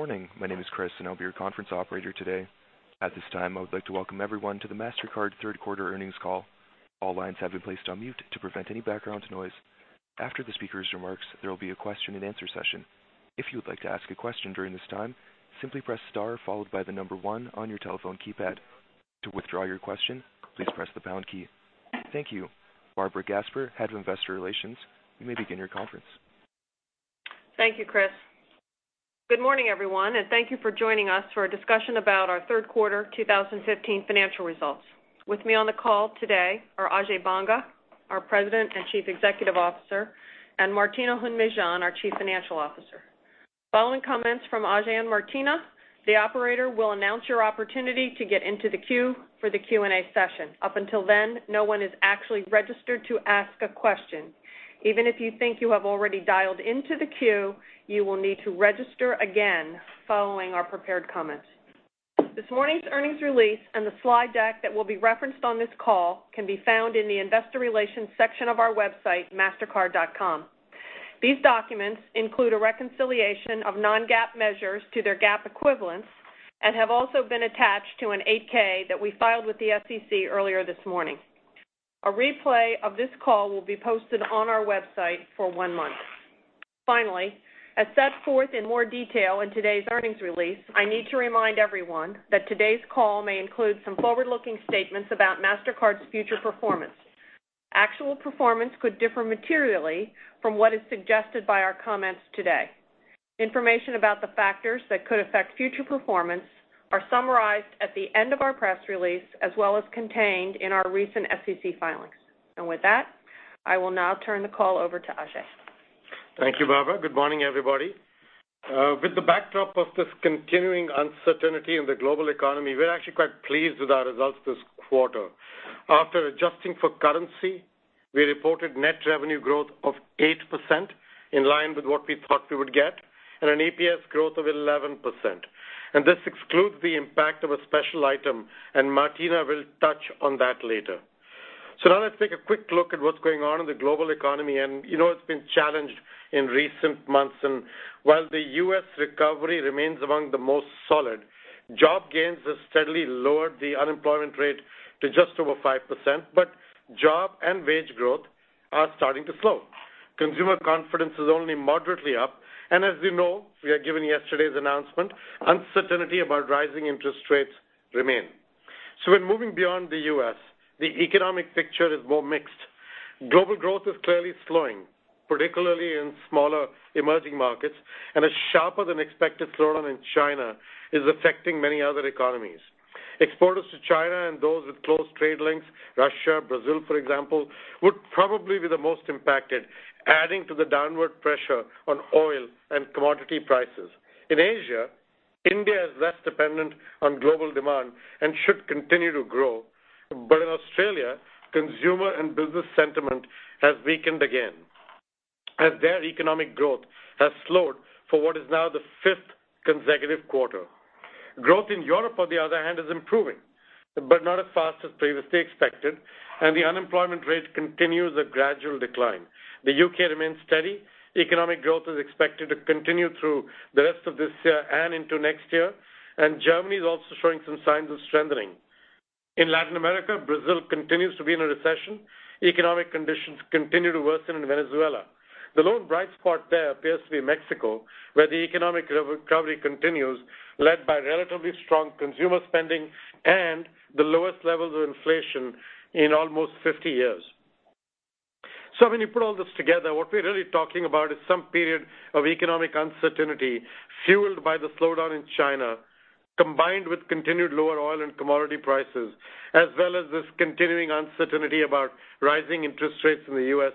Good morning. My name is Chris, and I'll be your conference operator today. At this time, I would like to welcome everyone to the Mastercard third quarter earnings call. All lines have been placed on mute to prevent any background noise. After the speakers' remarks, there will be a question and answer session. If you would like to ask a question during this time, simply press star followed by the number 1 on your telephone keypad. To withdraw your question, please press the pound key. Thank you. Barbara Gasper, Head of Investor Relations, you may begin your conference. Thank you, Chris. Good morning, everyone, and thank you for joining us for a discussion about our third quarter 2015 financial results. With me on the call today are Ajay Banga, our President and Chief Executive Officer, and Martina Hund-Mejean, our Chief Financial Officer. Following comments from Ajay and Martina, the operator will announce your opportunity to get into the queue for the Q&A session. Up until then, no one is actually registered to ask a question. Even if you think you have already dialed into the queue, you will need to register again following our prepared comments. This morning's earnings release and the slide deck that will be referenced on this call can be found in the investor relations section of our website, mastercard.com. These documents include a reconciliation of non-GAAP measures to their GAAP equivalents and have also been attached to an 8-K that we filed with the SEC earlier this morning. A replay of this call will be posted on our website for one month. Finally, as set forth in more detail in today's earnings release, I need to remind everyone that today's call may include some forward-looking statements about Mastercard's future performance. Actual performance could differ materially from what is suggested by our comments today. Information about the factors that could affect future performance are summarized at the end of our press release, as well as contained in our recent SEC filings. With that, I will now turn the call over to Ajay. Thank you, Barbara. Good morning, everybody. With the backdrop of this continuing uncertainty in the global economy, we're actually quite pleased with our results this quarter. After adjusting for currency, we reported net revenue growth of 8%, in line with what we thought we would get, and an EPS growth of 11%. This excludes the impact of a special item. Martina will touch on that later. Now let's take a quick look at what's going on in the global economy. You know it's been challenged in recent months. While the U.S. recovery remains among the most solid, job gains have steadily lowered the unemployment rate to just over 5%. Job and wage growth are starting to slow. Consumer confidence is only moderately up. As we know, given yesterday's announcement, uncertainty about rising interest rates remain. When moving beyond the U.S., the economic picture is more mixed. Global growth is clearly slowing, particularly in smaller emerging markets, and a sharper-than-expected slowdown in China is affecting many other economies. Exporters to China and those with close trade links, Russia, Brazil, for example, would probably be the most impacted, adding to the downward pressure on oil and commodity prices. In Asia, India is less dependent on global demand and should continue to grow. In Australia, consumer and business sentiment has weakened again as their economic growth has slowed for what is now the fifth consecutive quarter. Growth in Europe, on the other hand, is improving, but not as fast as previously expected, and the unemployment rate continues a gradual decline. The U.K. remains steady. Economic growth is expected to continue through the rest of this year and into next year, Germany is also showing some signs of strengthening. In Latin America, Brazil continues to be in a recession. Economic conditions continue to worsen in Venezuela. The lone bright spot there appears to be Mexico, where the economic recovery continues, led by relatively strong consumer spending and the lowest levels of inflation in almost 50 years. When you put all this together, what we're really talking is some period of economic uncertainty fueled by the slowdown in China, combined with continued lower oil and commodity prices, as well as this continuing uncertainty about rising interest rates in the U.S.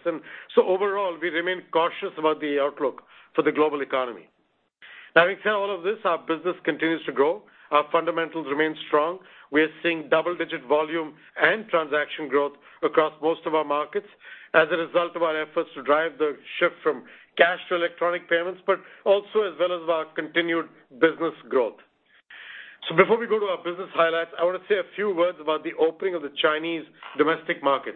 Overall, we remain cautious about the outlook for the global economy. Having said all of this, our business continues to grow. Our fundamentals remain strong. We are seeing double-digit volume and transaction growth across most of our markets as a result of our efforts to drive the shift from cash to electronic payments, but also as well as our continued business growth. Before we go to our business highlights, I want to say a few words about the opening of the Chinese domestic market.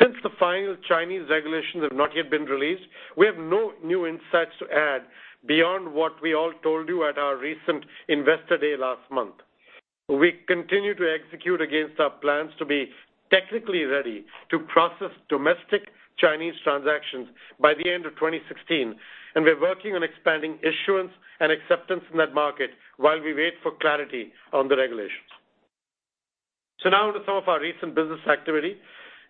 Since the final Chinese regulations have not yet been released, we have no new insights to add beyond what we all told you at our recent Investor Day last month. We continue to execute against our plans to be technically ready to process domestic Chinese transactions by the end of 2016, and we're working on expanding issuance and acceptance in that market while we wait for clarity on the regulations. Now onto some of our recent business activity.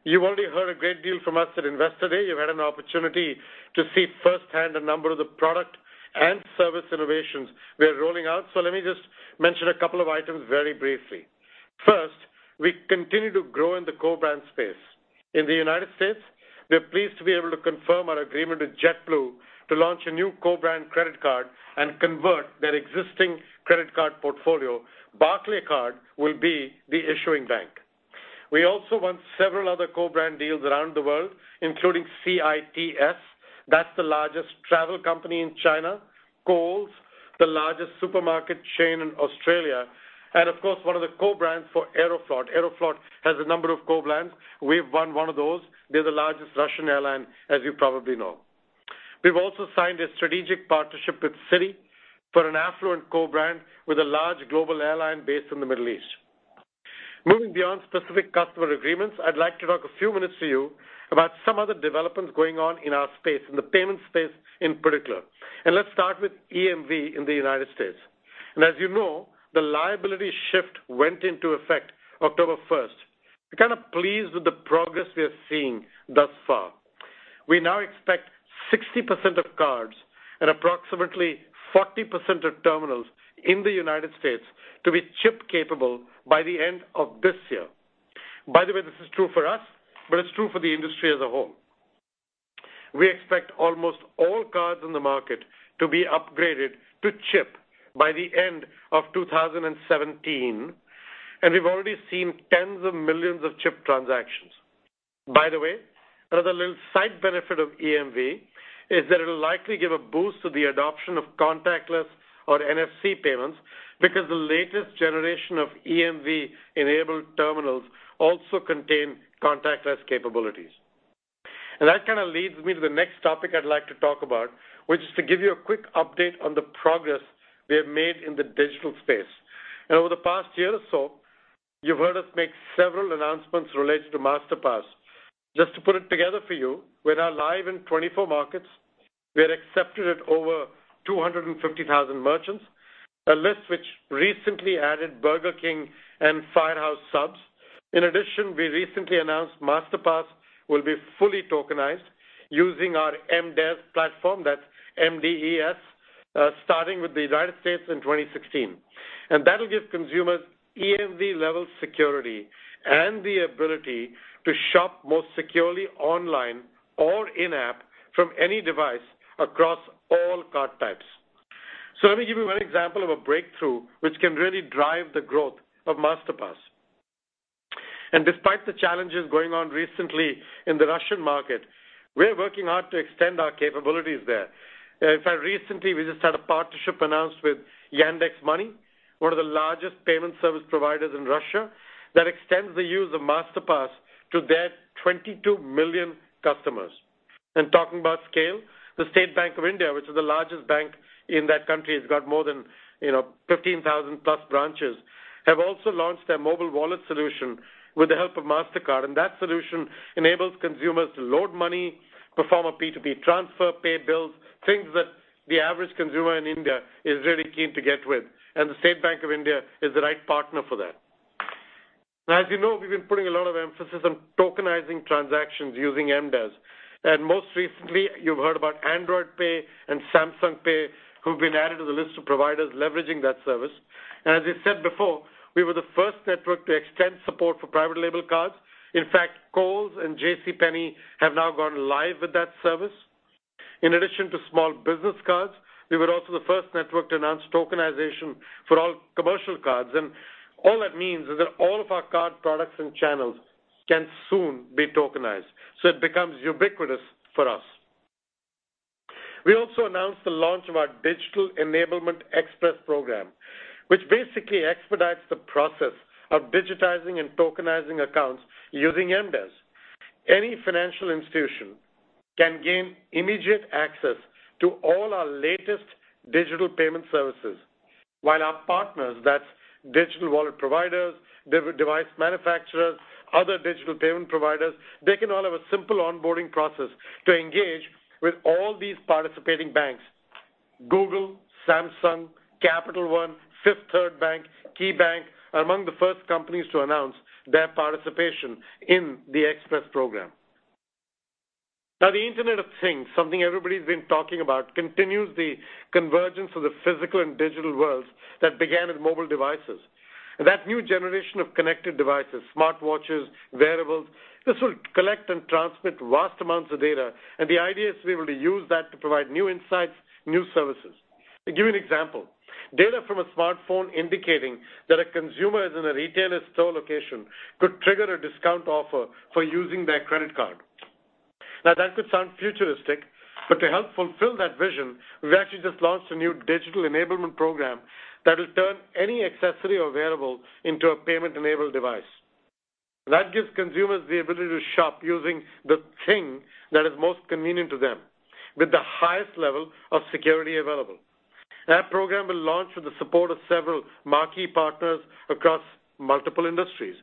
You've already heard a great deal from us at Investor Day. You've had an opportunity to see firsthand a number of the product and service innovations we are rolling out. Let me just mention a couple of items very briefly. First, we continue to grow in the co-brand space. In the United States, we are pleased to be able to confirm our agreement with JetBlue to launch a new co-brand credit card and convert their existing credit card portfolio. Barclaycard will be the issuing bank. We also won several other co-brand deals around the world, including CITS. That's the largest travel company in China. Coles, the largest supermarket chain in Australia, and of course, one of the co-brands for Aeroflot. Aeroflot has a number of co-brands. We've won one of those. They're the largest Russian airline, as you probably know. We've also signed a strategic partnership with Citi for an affluent co-brand with a large global airline based in the Middle East. Moving beyond specific customer agreements, I'd like to talk a few minutes to you about some other developments going on in our space, in the payment space in particular. Let's start with EMV in the United States. As you know, the liability shift went into effect October 1st. We're kind of pleased with the progress we are seeing thus far. We now expect 60% of cards and approximately 40% of terminals in the United States to be chip-capable by the end of this year. By the way, this is true for us, but it's true for the industry as a whole. We expect almost all cards in the market to be upgraded to chip by the end of 2017, and we've already seen tens of millions of chip transactions. By the way, another little side benefit of EMV is that it'll likely give a boost to the adoption of contactless or NFC payments because the latest generation of EMV-enabled terminals also contain contactless capabilities. That kind of leads me to the next topic I'd like to talk about, which is to give you a quick update on the progress we have made in the digital space. Over the past year or so, you've heard us make several announcements related to Masterpass. Just to put it together for you, we're now live in 24 markets. We are accepted at over 250,000 merchants, a list which recently added Burger King and Firehouse Subs. In addition, we recently announced Masterpass will be fully tokenized using our MDES platform. That's M-D-E-S, starting with the United States in 2016. That'll give consumers EMV-level security and the ability to shop more securely online or in-app from any device across all card types. Let me give you one example of a breakthrough which can really drive the growth of Masterpass. Despite the challenges going on recently in the Russian market, we are working hard to extend our capabilities there. In fact, recently, we just had a partnership announced with Yandex Money, one of the largest payment service providers in Russia, that extends the use of Masterpass to their 22 million customers. Talking about scale, the State Bank of India, which is the largest bank in that country, it's got more than 15,000-plus branches, have also launched their mobile wallet solution with the help of Mastercard. That solution enables consumers to load money, perform a P2P transfer, pay bills, things that the average consumer in India is really keen to get with. The State Bank of India is the right partner for that. Now, as you know, we've been putting a lot of emphasis on tokenizing transactions using MDES. Most recently, you've heard about Android Pay and Samsung Pay, who've been added to the list of providers leveraging that service. As we said before, we were the first network to extend support for private label cards. In fact, Kohl's and JCPenney have now gone live with that service. In addition to small business cards, we were also the first network to announce tokenization for all commercial cards. All that means is that all of our card products and channels can soon be tokenized, so it becomes ubiquitous for us. We also announced the launch of our Digital Enablement Express program, which basically expedites the process of digitizing and tokenizing accounts using MDES. Any financial institution can gain immediate access to all our latest digital payment services, while our partners, that's digital wallet providers, device manufacturers, other digital payment providers, they can all have a simple onboarding process to engage with all these participating banks. Google, Samsung, Capital One, Fifth Third Bank, KeyBank are among the first companies to announce their participation in the Express program. The Internet of Things, something everybody's been talking about, continues the convergence of the physical and digital worlds that began with mobile devices. That new generation of connected devices, smartwatches, wearables, this will collect and transmit vast amounts of data, and the idea is to be able to use that to provide new insights, new services. To give you an example, data from a smartphone indicating that a consumer is in a retailer's store location could trigger a discount offer for using their credit card. Now, that could sound futuristic, but to help fulfill that vision, we've actually just launched a new digital enablement program that'll turn any accessory or wearable into a payment-enabled device. That gives consumers the ability to shop using the thing that is most convenient to them with the highest level of security available. That program will launch with the support of several marquee partners across multiple industries.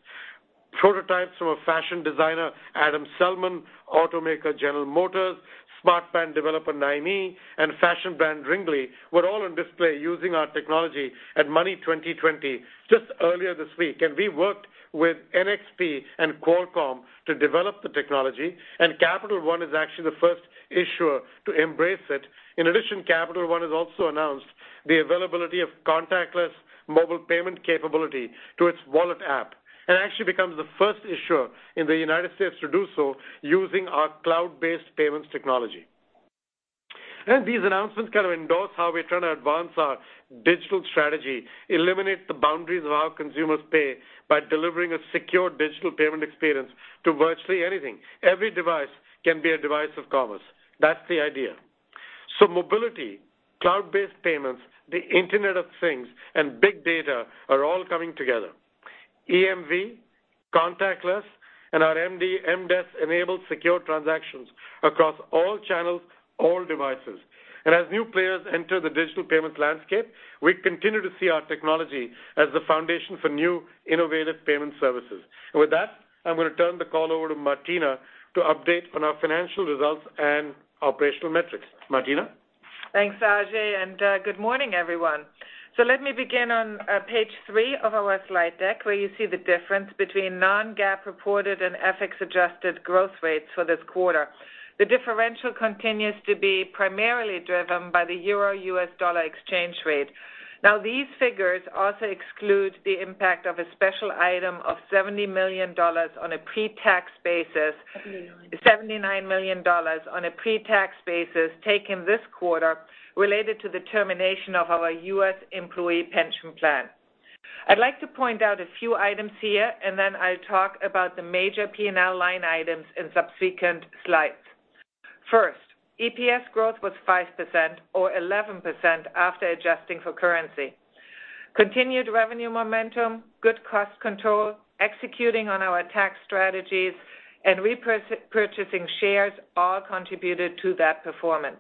Prototypes from a fashion designer, Adam Selman, automaker General Motors, smartband developer Nymi, and fashion brand Ringly were all on display using our technology at Money20/20 just earlier this week, and we worked with NXP and Qualcomm to develop the technology, and Capital One is actually the first issuer to embrace it. In addition, Capital One has also announced the availability of contactless mobile payment capability to its wallet app and actually becomes the first issuer in the U.S. to do so using our cloud-based payments technology. These announcements kind of endorse how we're trying to advance our digital strategy, eliminate the boundaries of how consumers pay by delivering a secure digital payment experience to virtually anything. Every device can be a device of commerce. That's the idea. Mobility, cloud-based payments, the Internet of Things, and big data are all coming together. EMV, contactless, and our MDES-enabled secure transactions across all channels, all devices. As new players enter the digital payment landscape, we continue to see our technology as the foundation for new innovative payment services. With that, I'm going to turn the call over to Martina to update on our financial results and operational metrics. Martina? Thanks, Ajay, good morning, everyone. Let me begin on page three of our slide deck, where you see the difference between non-GAAP reported and FX-adjusted growth rates for this quarter. The differential continues to be primarily driven by the euro-U.S. dollar exchange rate. These figures also exclude the impact of a special item of $70 million on a pre-tax basis. Seventy-nine $79 million on a pre-tax basis taken this quarter related to the termination of our U.S. employee pension plan. I'd like to point out a few items here, then I'll talk about the major P&L line items in subsequent slides. First, EPS growth was 5% or 11% after adjusting for currency. Continued revenue momentum, good cost control, executing on our tax strategies, and repurchasing shares all contributed to that performance.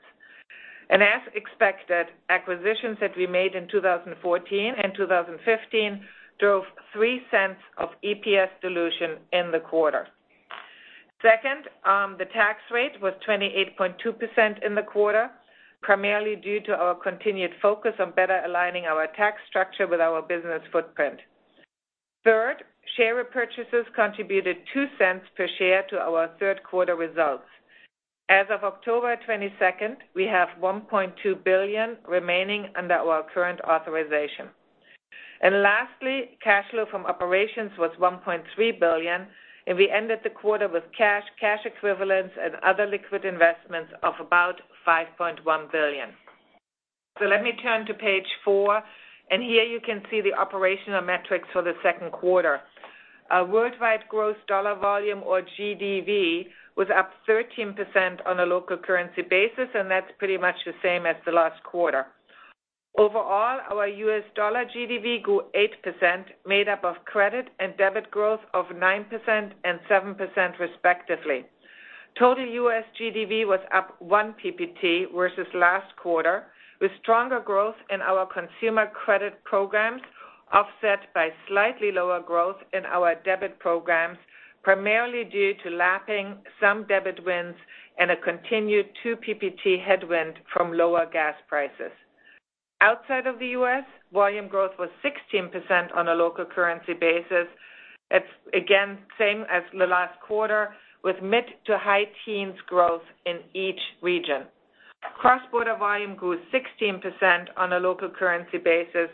As expected, acquisitions that we made in 2014 and 2015 drove $0.03 of EPS dilution in the quarter. Second, the tax rate was 28.2% in the quarter, primarily due to our continued focus on better aligning our tax structure with our business footprint. Third, share repurchases contributed $0.02 per share to our third-quarter results. As of October 22nd, we have $1.2 billion remaining under our current authorization. Lastly, cash flow from operations was $1.3 billion, and we ended the quarter with cash equivalents, and other liquid investments of about $5.1 billion. Let me turn to page four, here you can see the operational metrics for the second quarter. Worldwide gross dollar volume or GDV was up 13% on a local currency basis, and that's pretty much the same as the last quarter. Overall, our U.S. dollar GDV grew 8%, made up of credit and debit growth of 9% and 7% respectively. Total U.S. GDV was up 1 PPT versus last quarter, with stronger growth in our consumer credit programs offset by slightly lower growth in our debit programs, primarily due to lapping some debit wins and a continued 2 PPT headwind from lower gas prices. Outside of the U.S., volume growth was 16% on a local currency basis. It's again same as the last quarter, with mid-to-high teens growth in each region. Cross-border volume grew 16% on a local currency basis,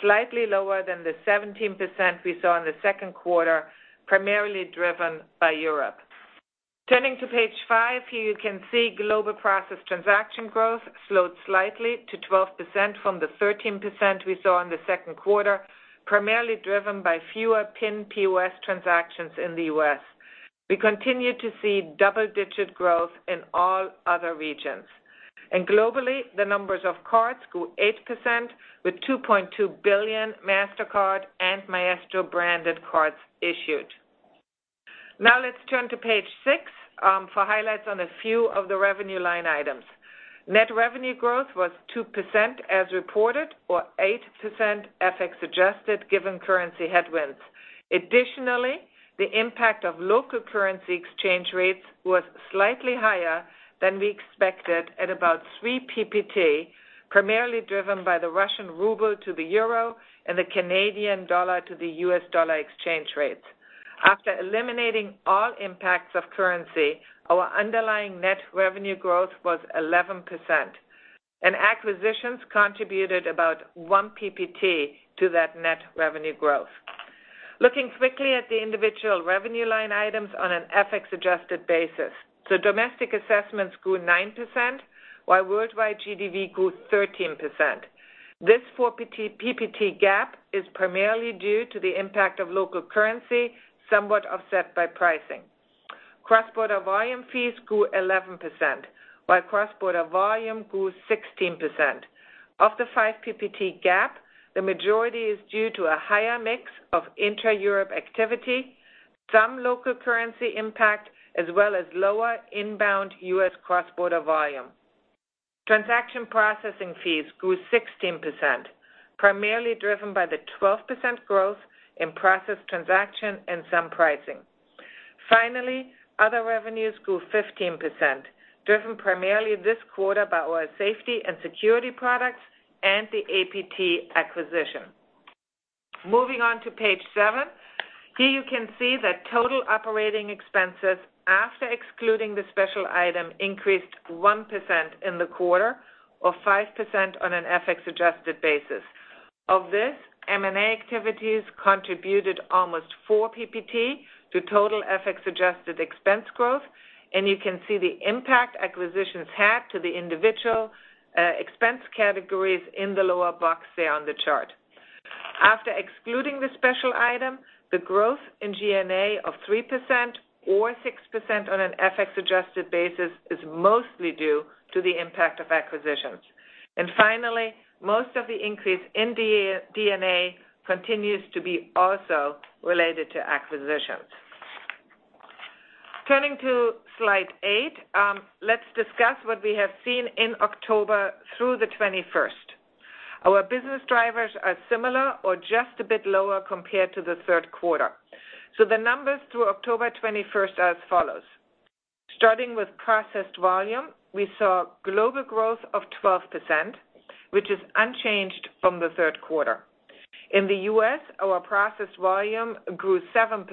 slightly lower than the 17% we saw in the second quarter, primarily driven by Europe. Turning to page five, here you can see global process transaction growth slowed slightly to 12% from the 13% we saw in the second quarter, primarily driven by fewer PIN POS transactions in the U.S. We continue to see double-digit growth in all other regions. Globally, the numbers of cards grew 8%, with 2.2 billion Mastercard and Maestro-branded cards issued. Let's turn to page six for highlights on a few of the revenue line items. Net revenue growth was 2% as reported or 8% FX-adjusted given currency headwinds. Additionally, the impact of local currency exchange rates was slightly higher than we expected at about three PPT, primarily driven by the Russian ruble to the EUR and the Canadian dollar to the U.S. dollar exchange rates. After eliminating all impacts of currency, our underlying net revenue growth was 11%. Acquisitions contributed about one PPT to that net revenue growth. Looking quickly at the individual revenue line items on an FX-adjusted basis. Domestic assessments grew 9%, while worldwide GDV grew 13%. This four PPT gap is primarily due to the impact of local currency, somewhat offset by pricing. Cross-border volume fees grew 11%, while cross-border volume grew 16%. Of the five PPT gap, the majority is due to a higher mix of intra-Europe activity, some local currency impact, as well as lower inbound U.S. cross-border volume. Transaction processing fees grew 16%, primarily driven by the 12% growth in processed transactions and some pricing. Finally, other revenues grew 15%, driven primarily this quarter by our safety and security products and the APT acquisition. Moving on to page seven. Here you can see that total operating expenses, after excluding the special item, increased 1% in the quarter or 5% on an FX-adjusted basis. Of this, M&A activities contributed almost four PPT to total FX-adjusted expense growth, and you can see the impact acquisitions had to the individual expense categories in the lower box there on the chart. After excluding the special item, the growth in G&A of 3% or 6% on an FX-adjusted basis is mostly due to the impact of acquisitions. Finally, most of the increase in D&A continues to be also related to acquisitions. Turning to slide eight, let's discuss what we have seen in October through the 21st. Our business drivers are similar or just a bit lower compared to the third quarter. The numbers through October 21st are as follows. Starting with processed volume, we saw global growth of 12%, which is unchanged from the third quarter. In the U.S., our processed volume grew 7%.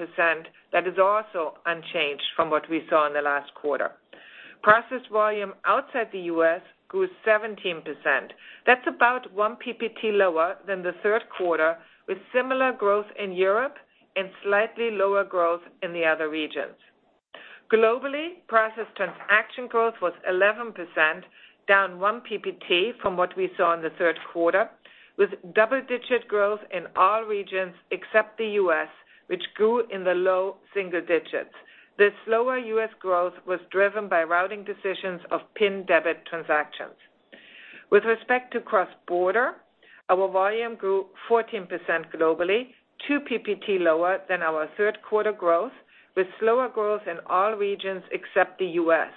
That is also unchanged from what we saw in the last quarter. Processed volume outside the U.S. grew 17%. That's about one PPT lower than the third quarter, with similar growth in Europe and slightly lower growth in the other regions. Globally, processed transaction growth was 11%, down one PPT from what we saw in the third quarter, with double-digit growth in all regions except the U.S., which grew in the low single digits. This slower U.S. growth was driven by routing decisions of PIN debit transactions. With respect to cross border, our volume grew 14% globally, two PPT lower than our third quarter growth, with slower growth in all regions except the U.S.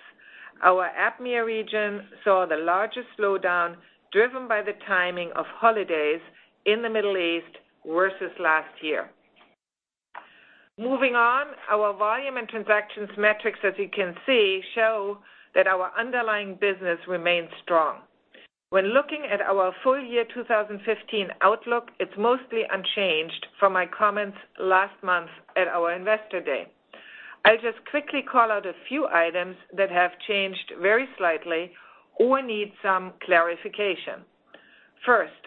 Our APMEA region saw the largest slowdown, driven by the timing of holidays in the Middle East versus last year. Moving on, our volume and transactions metrics, as you can see, show that our underlying business remains strong. When looking at our full year 2015 outlook, it's mostly unchanged from my comments last month at our Investor Day. I'll just quickly call out a few items that have changed very slightly or need some clarification. First,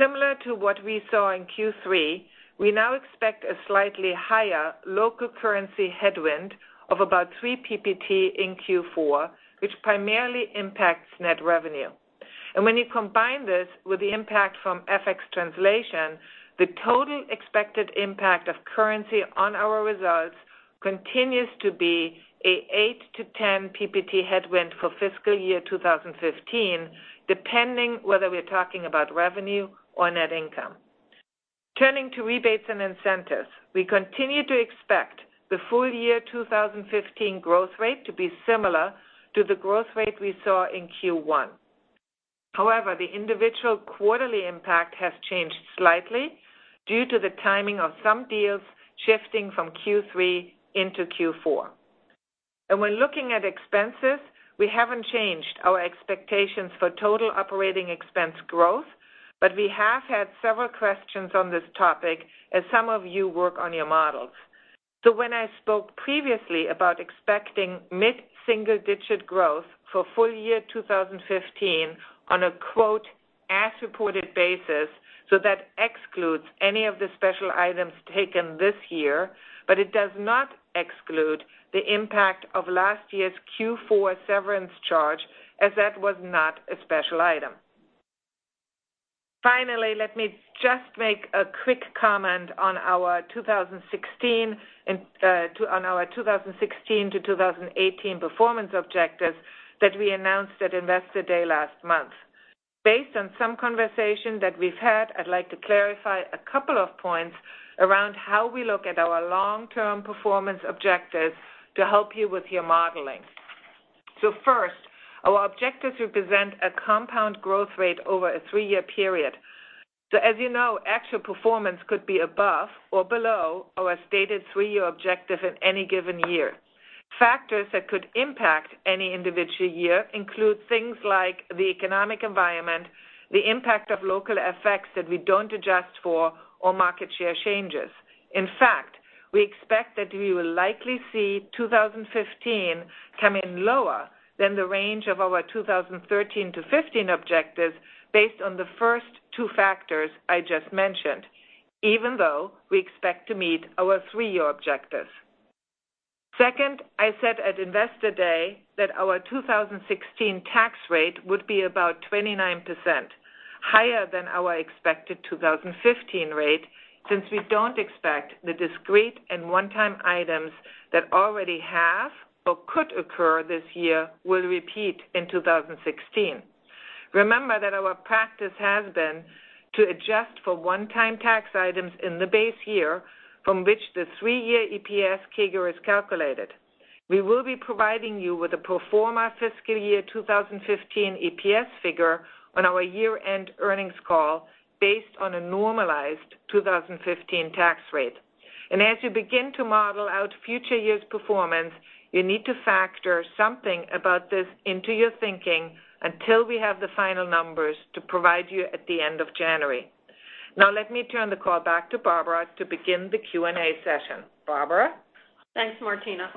similar to what we saw in Q3, we now expect a slightly higher local currency headwind of about three PPT in Q4, which primarily impacts net revenue. When you combine this with the impact from FX translation, the total expected impact of currency on our results continues to be an 8 to 10 PPT headwind for fiscal year 2015, depending whether we're talking about revenue or net income. Turning to rebates and incentives, we continue to expect the full year 2015 growth rate to be similar to the growth rate we saw in Q1. However, the individual quarterly impact has changed slightly due to the timing of some deals shifting from Q3 into Q4. When looking at expenses, we haven't changed our expectations for total operating expense growth, but we have had several questions on this topic as some of you work on your models. When I spoke previously about expecting mid-single digit growth for full year 2015 on a, quote, "as reported basis," so that excludes any of the special items taken this year, but it does not exclude the impact of last year's Q4 severance charge, as that was not a special item. Let me just make a quick comment on our 2016 to 2018 performance objectives that we announced at Investor Day last month. Based on some conversation that we've had, I'd like to clarify a couple of points around how we look at our long-term performance objectives to help you with your modeling. First, our objectives represent a compound growth rate over a three-year period. As you know, actual performance could be above or below our stated three-year objective in any given year. Factors that could impact any individual year include things like the economic environment, the impact of local effects that we don't adjust for, or market share changes. In fact, we expect that we will likely see 2015 come in lower than the range of our 2013 to 2015 objectives based on the first two factors I just mentioned, even though we expect to meet our three-year objectives. Second, I said at Investor Day that our 2016 tax rate would be about 29%, higher than our expected 2015 rate, since we don't expect the discrete and one-time items that already have or could occur this year will repeat in 2016. Remember that our practice has been to adjust for one-time tax items in the base year from which the three-year EPS CAGR is calculated. We will be providing you with a pro forma fiscal year 2015 EPS figure on our year-end earnings call based on a normalized 2015 tax rate. As you begin to model out future years' performance, you need to factor something about this into your thinking until we have the final numbers to provide you at the end of January. Let me turn the call back to Barbara to begin the Q&A session. Barbara? Thanks, Martina.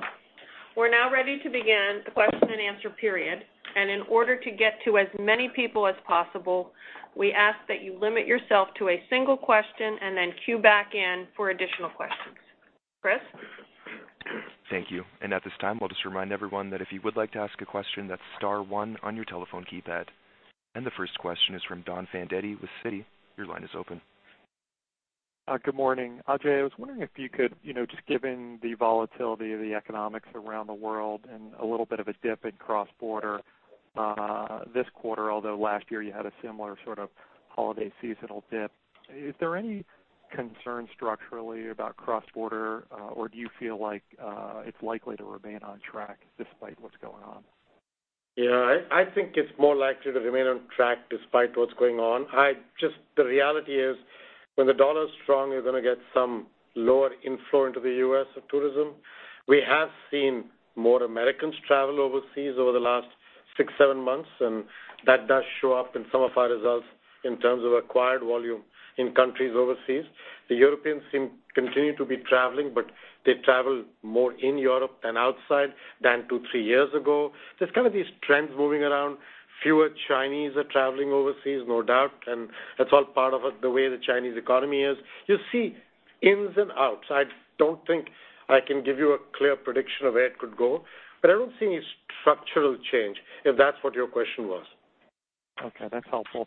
We're now ready to begin the question and answer period. In order to get to as many people as possible, we ask that you limit yourself to a single question and then queue back in for additional questions. Chris? Thank you. At this time, I'll just remind everyone that if you would like to ask a question, that's star 1 on your telephone keypad. The first question is from Donald Fandetti with Citi. Your line is open. Good morning. Ajay, I was wondering if you could, just given the volatility of the economics around the world and a little bit of a dip in cross-border this quarter, although last year you had a similar sort of holiday seasonal dip, is there any concern structurally about cross-border, or do you feel like it's likely to remain on track despite what's going on? Yeah, I think it's more likely to remain on track despite what's going on. Just the reality is when the dollar is strong, you're going to get some lower inflow into the U.S. of tourism. We have seen more Americans travel overseas over the last six, seven months, and that does show up in some of our results in terms of acquired volume in countries overseas. The Europeans seem continue to be traveling, but they travel more in Europe and outside than two, three years ago. There's kind of these trends moving around. Fewer Chinese are traveling overseas, no doubt, and that's all part of it, the way the Chinese economy is. You see ins and outs. I don't think I can give you a clear prediction of where it could go, but I don't see any structural change, if that's what your question was. Okay, that's helpful.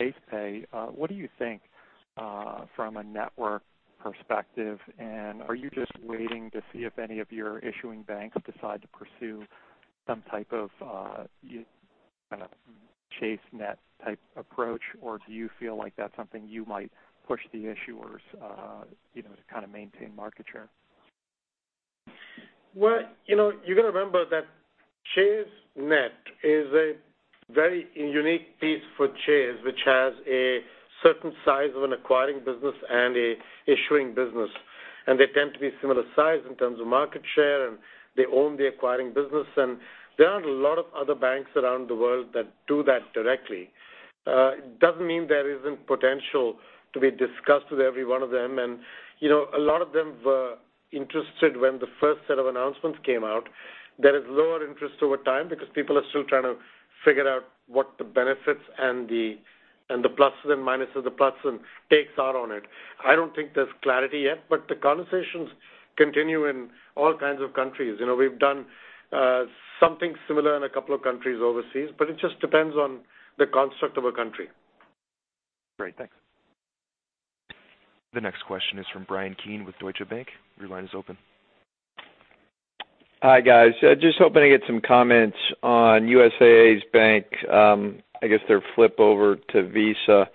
Chase Pay, what do you think from a network perspective, and are you just waiting to see if any of your issuing banks decide to pursue some type of ChaseNet type approach, or do you feel like that's something you might push the issuers to kind of maintain market share? Well, you've got to remember that ChaseNet is a very unique piece for Chase, which has a certain size of an acquiring business and a issuing business, and they tend to be similar size in terms of market share, and they own the acquiring business. There aren't a lot of other banks around the world that do that directly. It doesn't mean there isn't potential to be discussed with every one of them. A lot of them were interested when the first set of announcements came out. There is lower interest over time because people are still trying to figure out what the benefits and the pluses and minuses, the plus and takes are on it. I don't think there's clarity yet, the conversations continue in all kinds of countries. We've done something similar in a couple of countries overseas, it just depends on the construct of a country. Great, thanks. The next question is from Bryan Keane with Deutsche Bank. Your line is open. Hi, guys. Just hoping to get some comments on USAA's bank, I guess their flip over to Visa.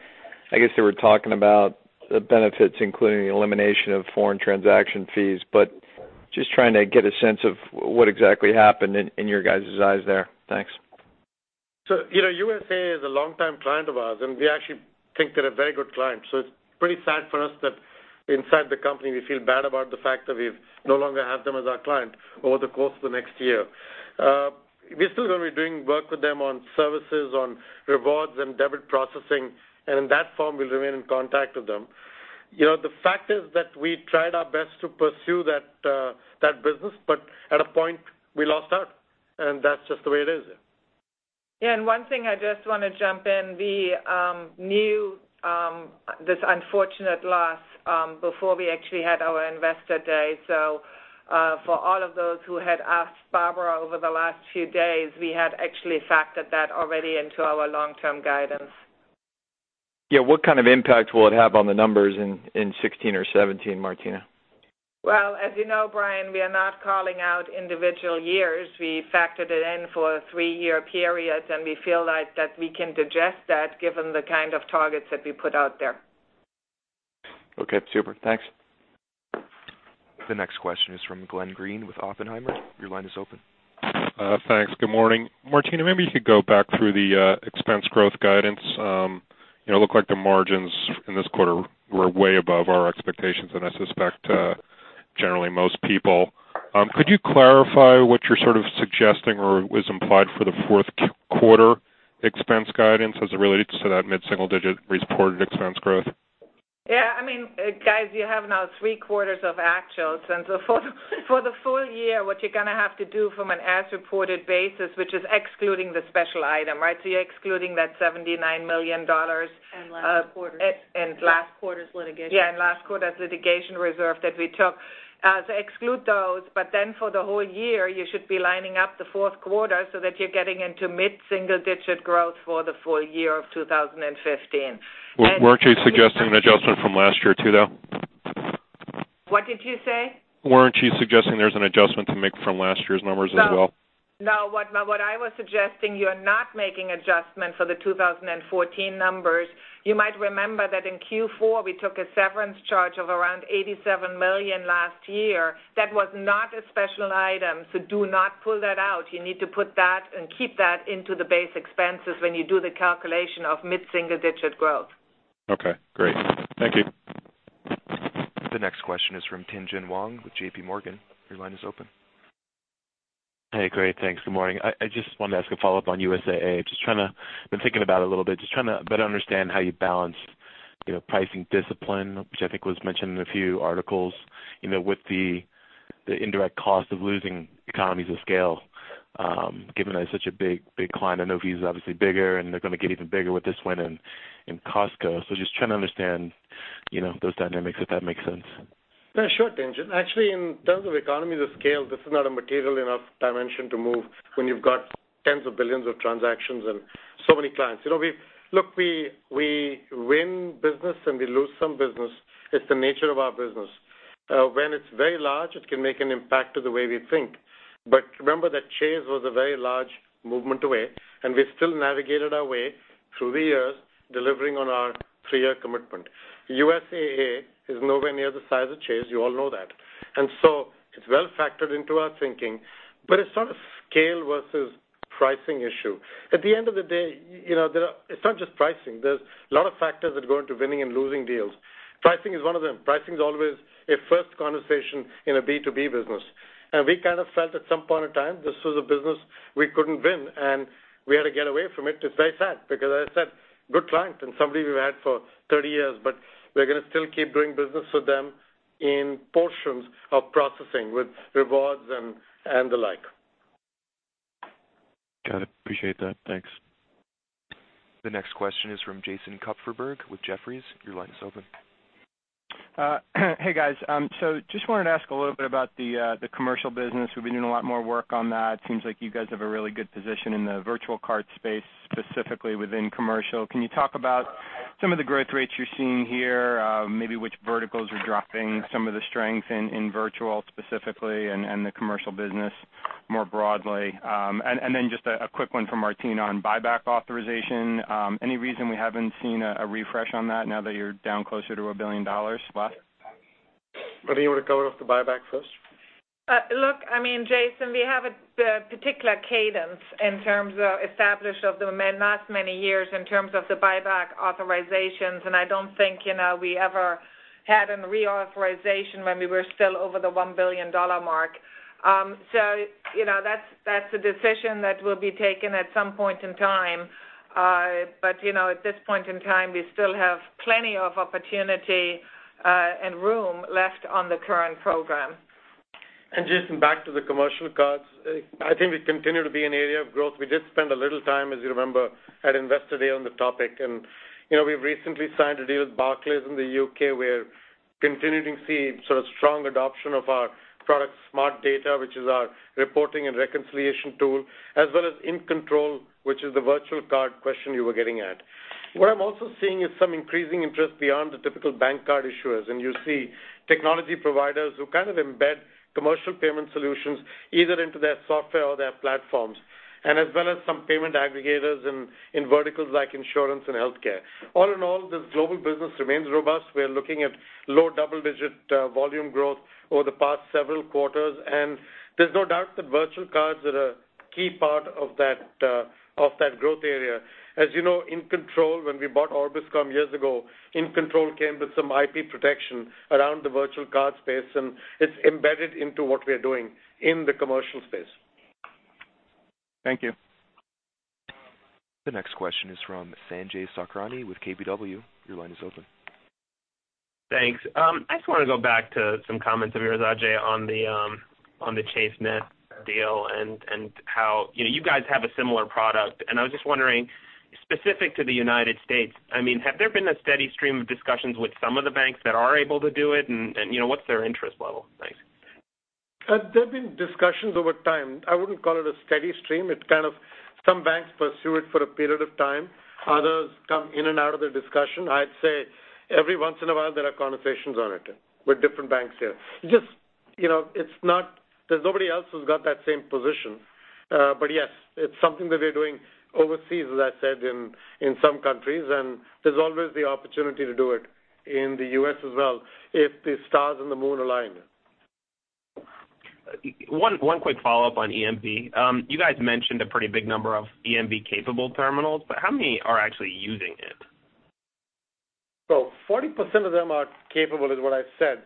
I guess they were talking about the benefits including the elimination of foreign transaction fees. Just trying to get a sense of what exactly happened in your guys' eyes there. Thanks. USAA is a long-time client of ours, and we actually think they're a very good client. It's pretty sad for us that inside the company, we feel bad about the fact that we no longer have them as our client over the course of the next year. We're still going to be doing work with them on services, on rewards and debit processing, and in that form, we'll remain in contact with them. The fact is that we tried our best to pursue that business, but at a point, we lost out, and that's just the way it is. Yeah. One thing I just want to jump in, we knew this unfortunate loss before we actually had our Investor Day. For all of those who had asked Barbara over the last few days, we had actually factored that already into our long-term guidance. Yeah. What kind of impact will it have on the numbers in 2016 or 2017, Martina? Well, as you know, Bryan, we are not calling out individual years. We factored it in for a three-year period, we feel like that we can digest that given the kind of targets that we put out there. Okay, super. Thanks. The next question is from Glenn Greene with Oppenheimer. Your line is open. Thanks. Good morning. Martina, maybe you could go back through the expense growth guidance. Looked like the margins in this quarter were way above our expectations, and I suspect generally most people. Could you clarify what you're sort of suggesting or is implied for the fourth quarter expense guidance as it relates to that mid-single-digit reported expense growth? Yeah. Guys, you have now three quarters of actuals. For the full year, what you're going to have to do from an as-reported basis, which is excluding the special item, right? You're excluding that $79 million and last quarter's litigation reserve that we took. Exclude those, for the whole year, you should be lining up the fourth quarter so that you're getting into mid-single-digit growth for the full year of 2015. Weren't you suggesting an adjustment from last year too, though? What did you say? Weren't you suggesting there's an adjustment to make from last year's numbers as well? No. What I was suggesting, you're not making adjustments for the 2014 numbers. You might remember that in Q4, we took a severance charge of around $87 million last year. That was not a special item, so do not pull that out. You need to put that and keep that into the base expenses when you do the calculation of mid-single-digit growth. Okay, great. Thank you. The next question is from Tien-tsin Huang with J.P. Morgan. Your line is open. Hey. Great, thanks. Good morning. I just wanted to ask a follow-up on USAA. Been thinking about it a little bit. Just trying to better understand how you balance pricing discipline, which I think was mentioned in a few articles, with the indirect cost of losing economies of scale, given that it's such a big client. I know Visa is obviously bigger, and they're going to get even bigger with this win and Costco. Just trying to understand those dynamics, if that makes sense. Yeah, sure, Tien-tsin. Actually, in terms of economies of scale, this is not a material enough dimension to move when you've got tens of billions of transactions and so many clients. Look, we win business and we lose some business. It's the nature of our business. When it's very large, it can make an impact to the way we think. Remember that Chase was a very large movement away, and we still navigated our way through the years, delivering on our three-year commitment. USAA is nowhere near the size of Chase, you all know that. It's well factored into our thinking, but it's not a scale versus pricing issue. At the end of the day, it's not just pricing. There's a lot of factors that go into winning and losing deals. Pricing is one of them. Pricing is always a first conversation in a B2B business. We kind of felt at some point in time this was a business we couldn't win, and we had to get away from it. It's very sad because as I said, good client and somebody we've had for 30 years, but we're gonna still keep doing business with them in portions of processing with rewards and the like. Got it. Appreciate that. Thanks. The next question is from Jason Kupferberg with Jefferies. Your line is open. Hey, guys. Just wanted to ask a little bit about the commercial business. We've been doing a lot more work on that. Seems like you guys have a really good position in the virtual card space, specifically within commercial. Can you talk about some of the growth rates you're seeing here, maybe which verticals are driving some of the strength in virtual specifically and the commercial business more broadly? Just a quick one for Martina on buyback authorization. Any reason we haven't seen a refresh on that now that you're down closer to $1 billion left? Martina, you want to cover off the buyback first? Look, Jason, we have a particular cadence in terms of established of the last many years in terms of the buyback authorizations, I don't think we ever had a reauthorization when we were still over the $1 billion mark. That's a decision that will be taken at some point in time. At this point in time, we still have plenty of opportunity and room left on the current program. Jason, back to the commercial cards. I think we continue to be an area of growth. We did spend a little time, as you remember, at Investor Day on the topic. We've recently signed a deal with Barclays in the U.K. We're continuing to see sort of strong adoption of our product, Smart Data, which is our reporting and reconciliation tool, as well as InControl, which is the virtual card question you were getting at. What I'm also seeing is some increasing interest beyond the typical bank card issuers, you see technology providers who kind of embed commercial payment solutions either into their software or their platforms, as well as some payment aggregators in verticals like insurance and healthcare. All in all, this global business remains robust. We are looking at low double-digit volume growth over the past several quarters. There's no doubt that virtual cards are a key part of that growth area. As you know, InControl, when we bought Orbiscom years ago, InControl came with some IP protection around the virtual card space, and it's embedded into what we are doing in the commercial space. Thank you. The next question is from Sanjay Sakhrani with KBW. Your line is open. Thanks. I just wanna go back to some comments of yours, Ajay, on the ChaseNet deal and how you guys have a similar product. I was just wondering, specific to the U.S., have there been a steady stream of discussions with some of the banks that are able to do it, and what's their interest level? Thanks. There've been discussions over time. I wouldn't call it a steady stream. It's kind of some banks pursue it for a period of time. Others come in and out of the discussion. I'd say every once in a while there are conversations on it with different banks here. There's nobody else who's got that same position. Yes, it's something that we're doing overseas, as I said, in some countries, and there's always the opportunity to do it in the U.S. as well if the stars and the moon align. One quick follow-up on EMV. You guys mentioned a pretty big number of EMV-capable terminals, but how many are actually using it? 40% of them are capable is what I said.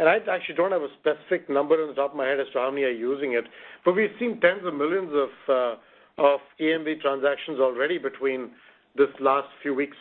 I actually don't have a specific number on the top of my head as to how many are using it. We've seen tens of millions of EMV transactions already between these last few weeks.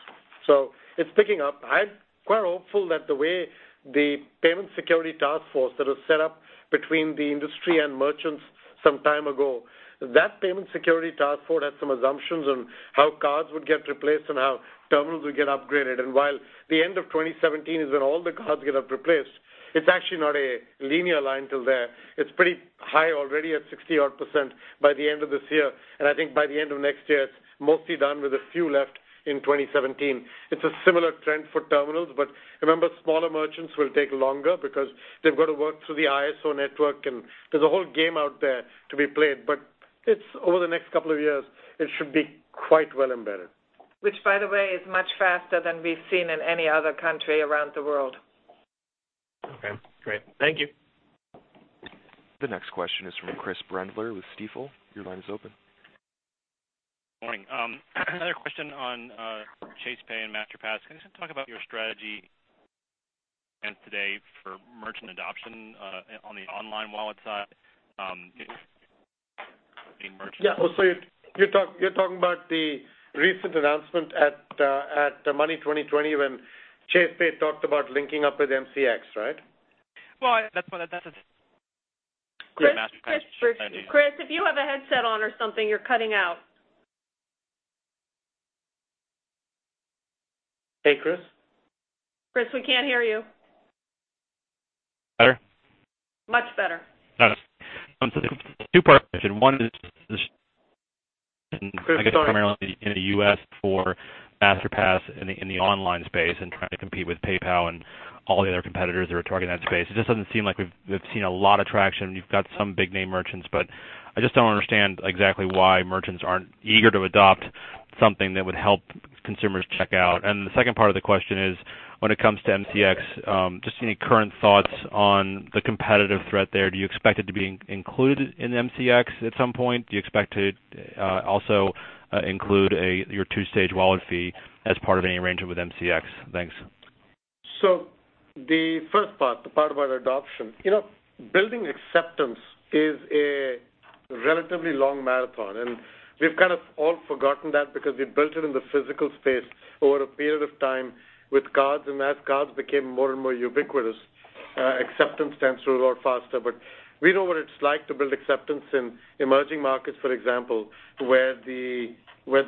It's picking up. I'm quite hopeful that the way the payment security task force that was set up between the industry and merchants some time ago, that payment security task force had some assumptions on how cards would get replaced and how terminals would get upgraded. While the end of 2017 is when all the cards get replaced, it's actually not a linear line till there. It's pretty high already at 60 odd % by the end of this year. I think by the end of next year, it's mostly done with a few left in 2017. It's a similar trend for terminals, but remember, smaller merchants will take longer because they've got to work through the ISO network, and there's a whole game out there to be played. Over the next couple of years, it should be quite well embedded. Which by the way, is much faster than we've seen in any other country around the world. Okay, great. Thank you. The next question is from Chris Brendler with Stifel. Your line is open. Morning. Another question on Chase Pay and Masterpass. Can you just talk about your strategy and today for merchant adoption on the online wallet side? Yeah. You're talking about the recent announcement at Money20/20 when Chase Pay talked about linking up with MCX, right? Well, that's what- Chris, if you have a headset on or something, you're cutting out Hey, Chris. Chris, we can't hear you. Better? Much better. Got it. This is a 2-part question. One is, I guess, primarily in the U.S. for Masterpass in the online space and trying to compete with PayPal and all the other competitors that are targeting that space. It just doesn't seem like we've seen a lot of traction. We've got some big-name merchants, I just don't understand exactly why merchants aren't eager to adopt something that would help consumers check out. The second part of the question is, when it comes to MCX, just any current thoughts on the competitive threat there. Do you expect it to be included in MCX at some point? Do you expect to also include your 2-stage wallet fee as part of any arrangement with MCX? Thanks. The first part, the part about adoption. Building acceptance is a relatively long marathon, we've kind of all forgotten that because we built it in the physical space over a period of time with cards. As cards became more and more ubiquitous, acceptance tends to roll out faster. We know what it's like to build acceptance in emerging markets, for example, where the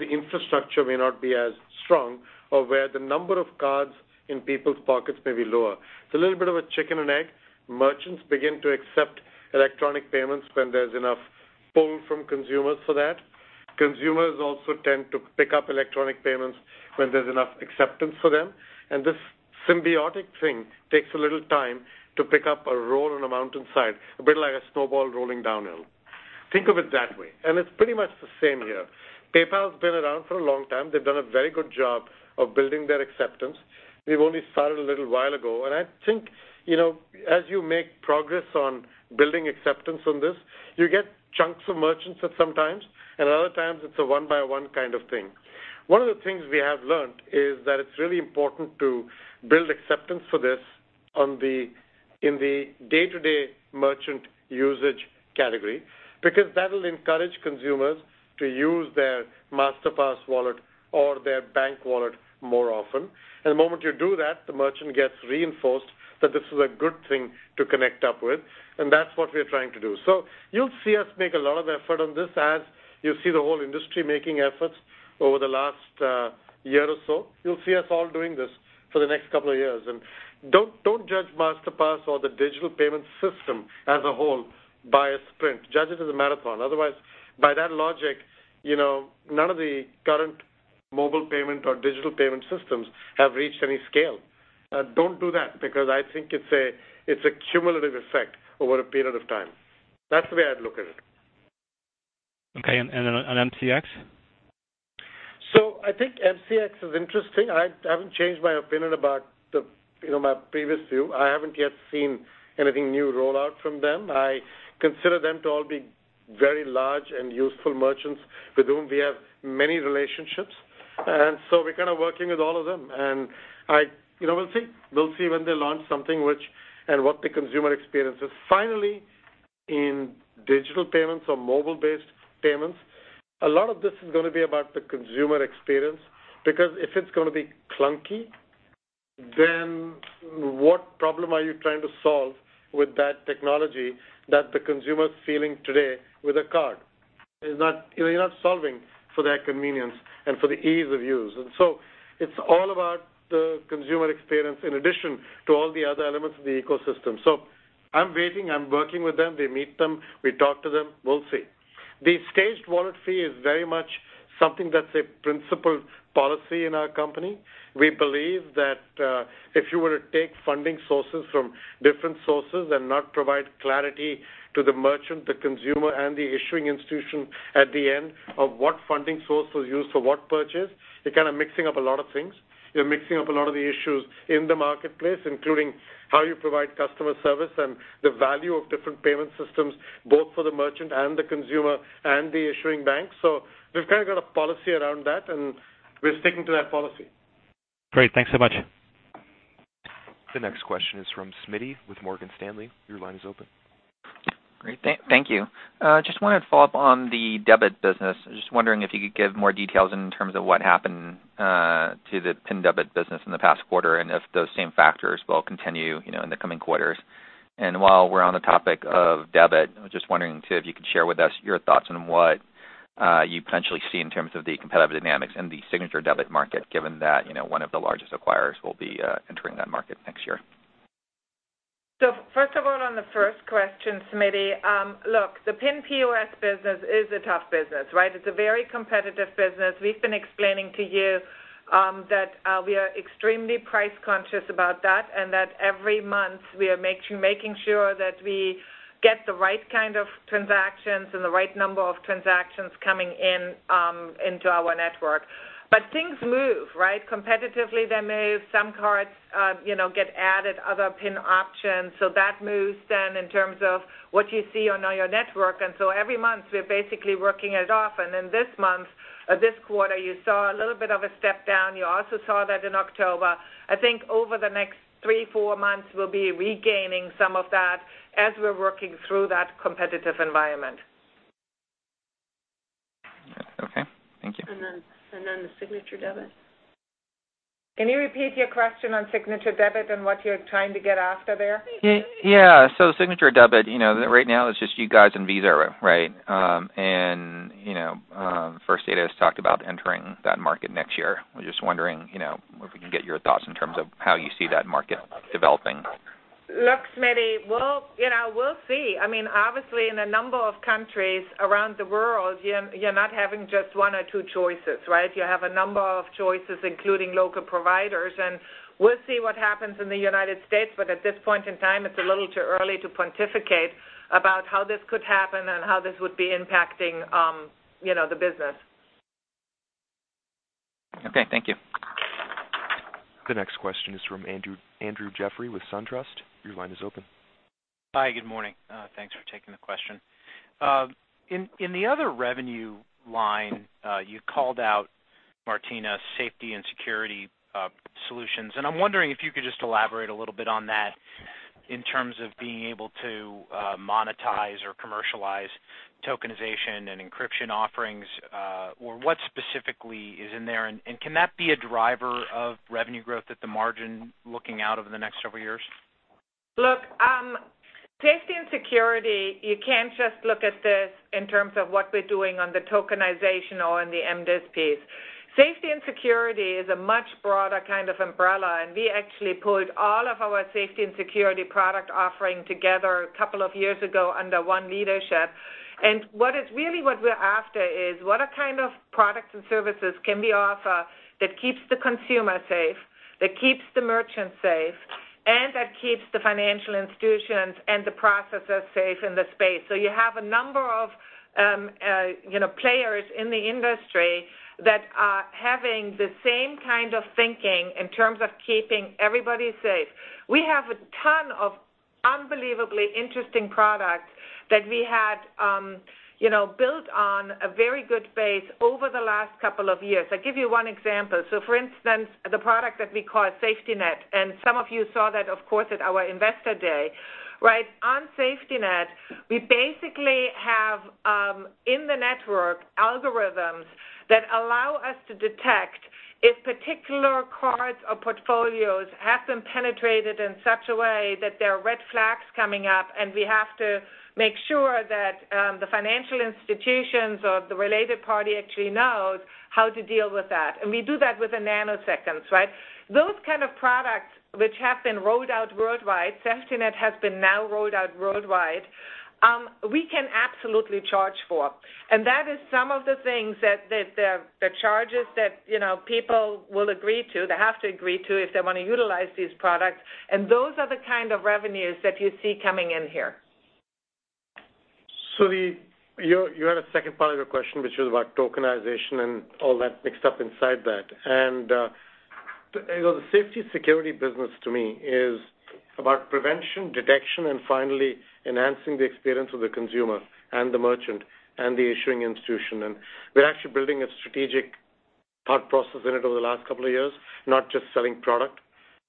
infrastructure may not be as strong or where the number of cards in people's pockets may be lower. It's a little bit of a chicken and egg. Merchants begin to accept electronic payments when there's enough pull from consumers for that. Consumers also tend to pick up electronic payments when there's enough acceptance for them. This symbiotic thing takes a little time to pick up a roll on a mountainside, a bit like a snowball rolling downhill. Think of it that way, it's pretty much the same here. PayPal's been around for a long time. They've done a very good job of building their acceptance. We've only started a little while ago. I think as you make progress on building acceptance on this, you get chunks of merchants at some times, and at other times it's a one-by-one kind of thing. One of the things we have learned is that it's really important to build acceptance for this in the day-to-day merchant usage category because that'll encourage consumers to use their Masterpass wallet or their bank wallet more often. The moment you do that, the merchant gets reinforced that this is a good thing to connect up with, and that's what we're trying to do. You'll see us make a lot of effort on this as you see the whole industry making efforts over the last year or so. You'll see us all doing this for the next couple of years. Don't judge Masterpass or the digital payment system as a whole by a sprint. Judge it as a marathon. Otherwise, by that logic, none of the current mobile payment or digital payment systems have reached any scale. Don't do that because I think it's a cumulative effect over a period of time. That's the way I'd look at it. Okay, then on MCX? I think MCX is interesting. I haven't changed my opinion about my previous view. I haven't yet seen anything new roll out from them. I consider them to all be very large and useful merchants with whom we have many relationships. We're kind of working with all of them. We'll see when they launch something, and what the consumer experience is. Finally, in digital payments or mobile-based payments, a lot of this is going to be about the consumer experience because if it's going to be clunky, then what problem are you trying to solve with that technology that the consumer's feeling today with a card. You're not solving for their convenience and for the ease of use. It's all about the consumer experience in addition to all the other elements of the ecosystem. I'm waiting. I'm working with them. We meet them. We talk to them. We'll see. The staged wallet fee is very much something that's a principle policy in our company. We believe that if you were to take funding sources from different sources and not provide clarity to the merchant, the consumer, and the issuing institution at the end of what funding source was used for what purchase, you're kind of mixing up a lot of things. You're mixing up a lot of the issues in the marketplace, including how you provide customer service and the value of different payment systems, both for the merchant and the consumer and the issuing bank. We've kind of got a policy around that, and we're sticking to that policy. Great. Thanks so much. The next question is from James Faucette with Morgan Stanley. Your line is open. Great. Thank you. Just wanted to follow up on the debit business. Just wondering if you could give more details in terms of what happened to the PIN debit business in the past quarter, and if those same factors will continue in the coming quarters. While we're on the topic of debit, I'm just wondering, too, if you could share with us your thoughts on what you potentially see in terms of the competitive dynamics in the signature debit market, given that one of the largest acquirers will be entering that market next year. First of all, on the first question, Smitty. Look, the PIN POS business is a tough business, right? It's a very competitive business. We've been explaining to you that we are extremely price-conscious about that and that every month we are making sure that we get the right kind of transactions and the right number of transactions coming into our network. Things move, right? Competitively, they move. Some cards get added, other PIN options. That moves then in terms of what you see on your network. Every month, we're basically working it off. This month or this quarter, you saw a little bit of a step down. You also saw that in October. I think over the next three, four months, we'll be regaining some of that as we're working through that competitive environment. Okay. Thank you. The signature debit. Can you repeat your question on signature debit and what you're trying to get after there? Signature debit, right now it's just you guys and Visa, right? First Data has talked about entering that market next year. I'm just wondering if we can get your thoughts in terms of how you see that market developing. Look, Smitty, we'll see. Obviously, in a number of countries around the world, you're not having just one or two choices, right? You have a number of choices, including local providers, and we'll see what happens in the United States. At this point in time, it's a little too early to pontificate about how this could happen and how this would be impacting the business. Okay, thank you. The next question is from Andrew Jeffrey with SunTrust. Your line is open. Hi, good morning. Thanks for taking the question. In the other revenue line, you called out, Martina, safety and security solutions. I'm wondering if you could just elaborate a little bit on that in terms of being able to monetize or commercialize tokenization and encryption offerings or what specifically is in there. Can that be a driver of revenue growth at the margin looking out over the next several years? Look, safety and security, you can't just look at this in terms of what we're doing on the tokenization or on the MDES piece. Safety and security is a much broader kind of umbrella, and we actually pulled all of our safety and security product offering together a couple of years ago under one leadership. Really what we're after is what are kind of products and services can we offer that keeps the consumer safe, that keeps the merchant safe, and that keeps the financial institutions and the processors safe in the space. You have a number of players in the industry that are having the same kind of thinking in terms of keeping everybody safe. We have a ton of unbelievably interesting products that we had built on a very good base over the last couple of years. I'll give you one example. For instance, the product that we call SafetyNet, some of you saw that, of course, at our Investor Day. On SafetyNet, we basically have, in the network, algorithms that allow us to detect if particular cards or portfolios have been penetrated in such a way that there are red flags coming up, and we have to make sure that the financial institutions or the related party actually knows how to deal with that. We do that within nanoseconds, right? Those kind of products which have been rolled out worldwide, SafetyNet has been now rolled out worldwide, we can absolutely charge for. That is some of the things that the charges that people will agree to, they have to agree to if they want to utilize these products. Those are the kind of revenues that you see coming in here. You had a second part of your question, which was about tokenization and all that mixed up inside that. The safety and security business to me is about prevention, detection, and finally enhancing the experience of the consumer and the merchant and the issuing institution. We're actually building a strategic thought process in it over the last couple of years, not just selling product.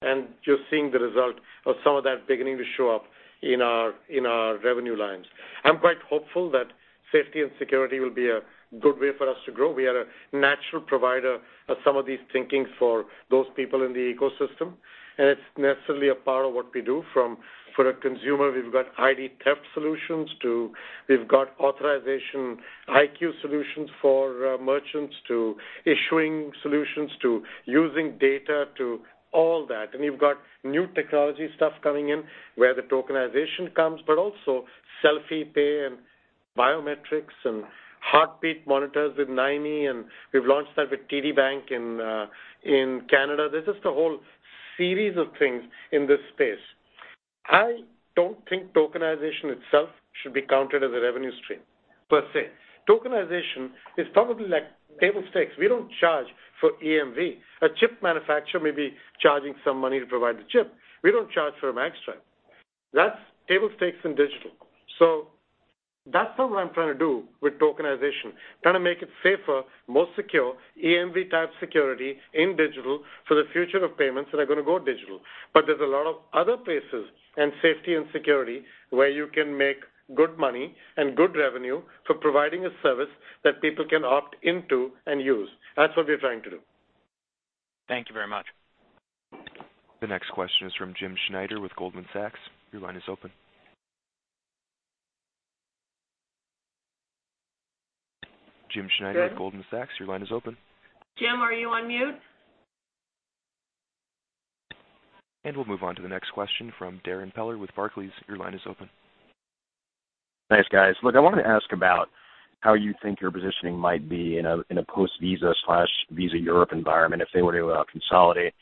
You're seeing the result of some of that beginning to show up in our revenue lines. I'm quite hopeful that safety and security will be a good way for us to grow. We are a natural provider of some of these thinkings for those people in the ecosystem, and it's necessarily a part of what we do. For a consumer, we've got ID theft solutions, to we've got Authorization IQ solutions for merchants, to issuing solutions, to using data, to all that. We've got new technology stuff coming in where the tokenization comes, also Selfie Pay and biometrics and heartbeat monitors with Nymi, and we've launched that with TD Bank in Canada. There's just a whole series of things in this space. I don't think tokenization itself should be counted as a revenue stream per se. Tokenization is probably like table stakes. We don't charge for EMV. A chip manufacturer may be charging some money to provide the chip. We don't charge for a Magstripe. That's table stakes in digital. That's all I'm trying to do with tokenization, trying to make it safer, more secure, EMV-type security in digital for the future of payments that are going to go digital. There's a lot of other places in safety and security where you can make good money and good revenue for providing a service that people can opt into and use. That's what we're trying to do. Thank you very much. The next question is from James Schneider with Goldman Sachs. Your line is open. James Schneider with Goldman Sachs, your line is open. Jim, are you on mute? We'll move on to the next question from Darrin Peller with Barclays. Your line is open. Thanks, guys. Look, I wanted to ask about how you think your positioning might be in a post-Visa/Visa Europe environment if they were to consolidate.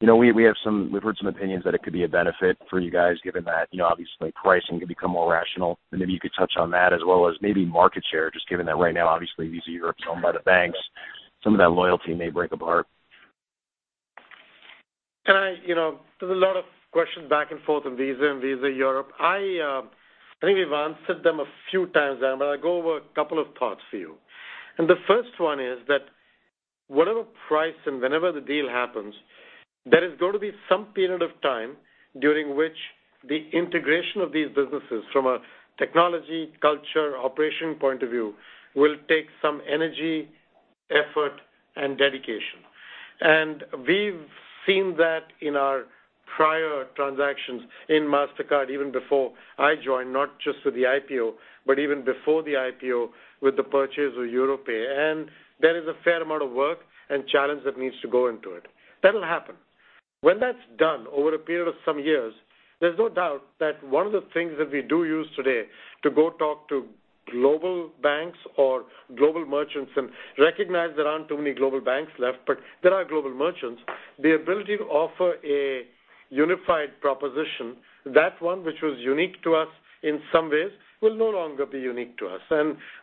We've heard some opinions that it could be a benefit for you guys given that obviously pricing could become more rational. Maybe you could touch on that as well as maybe market share, just given that right now obviously Visa Europe is owned by the banks. Some of that loyalty may break apart. There's a lot of questions back and forth on Visa and Visa Europe. I think we've answered them a few times, but I'll go over a couple of parts for you. The first one is that whatever price and whenever the deal happens, there is going to be some period of time during which the integration of these businesses from a technology, culture, operation point of view will take some energy, effort, and dedication. We've seen that in our prior transactions in Mastercard even before I joined, not just with the IPO, but even before the IPO with the purchase of Europay. There is a fair amount of work and challenge that needs to go into it. That'll happen. When that's done over a period of some years, there's no doubt that one of the things that we do use today to go talk to global banks or global merchants and recognize there aren't too many global banks left, but there are global merchants. The ability to offer a unified proposition, that one which was unique to us in some ways, will no longer be unique to us.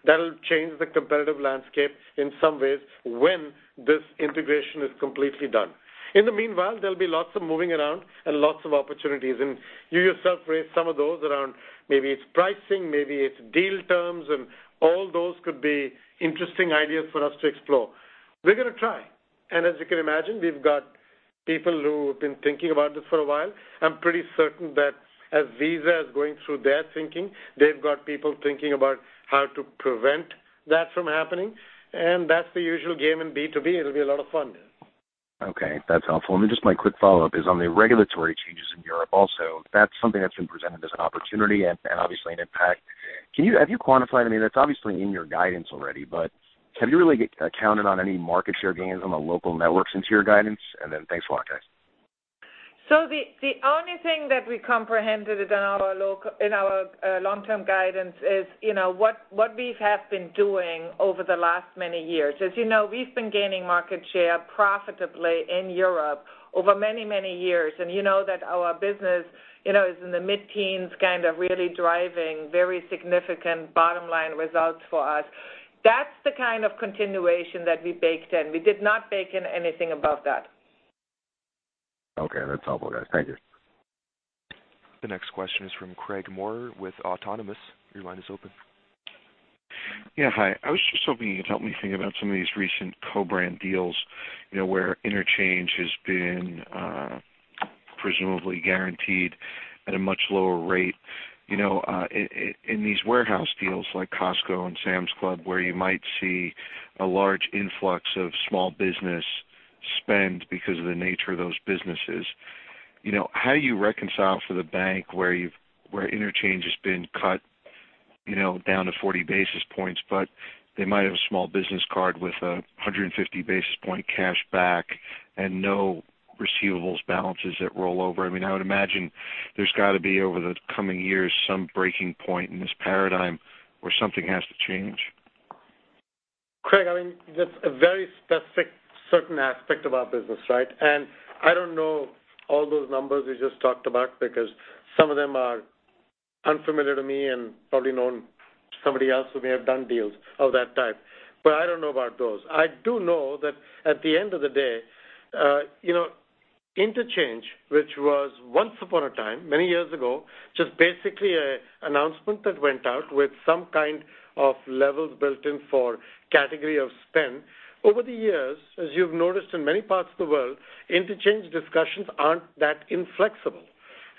That'll change the competitive landscape in some ways when this integration is completely done. In the meanwhile, there'll be lots of moving around and lots of opportunities. You yourself raised some of those around maybe it's pricing, maybe it's deal terms, and all those could be interesting ideas for us to explore. We're going to try. As you can imagine, we've got people who have been thinking about this for a while. I'm pretty certain that as Visa is going through their thinking, they've got people thinking about how to prevent that from happening. That's the usual game in B2B. It'll be a lot of fun. Okay, that's helpful. Just my quick follow-up is on the regulatory changes in Europe also. That's something that's been presented as an opportunity and obviously an impact. Have you quantified, I mean, that's obviously in your guidance already, but have you really accounted on any market share gains on the local networks into your guidance? Thanks a lot, guys. The only thing that we comprehended in our long-term guidance is what we have been doing over the last many years. As you know, we've been gaining market share profitably in Europe over many, many years. You know that our business is in the mid-teens, kind of really driving very significant bottom-line results for us. That's the kind of continuation that we baked in. We did not bake in anything above that. Okay. That's helpful, guys. Thank you. The next question is from Craig Maurer with Autonomous. Your line is open. Yeah, hi. I was just hoping you could help me think about some of these recent co-brand deals where interchange has been presumably guaranteed at a much lower rate. In these warehouse deals like Costco and Sam's Club, where you might see a large influx of small business spend because of the nature of those businesses. How do you reconcile for the bank where interchange has been cut down to 40 basis points, but they might have a small business card with 150 basis point cash back and no receivables balances that roll over. I would imagine there's got to be over the coming years some breaking point in this paradigm where something has to change. Craig, that's a very specific, certain aspect of our business, right? I don't know all those numbers you just talked about because some of them are unfamiliar to me and probably known to somebody else who may have done deals of that type. I don't know about those. I do know that at the end of the day, interchange, which was once upon a time, many years ago, just basically an announcement that went out with some kind of levels built in for category of spend. Over the years, as you've noticed in many parts of the world, interchange discussions aren't that inflexible,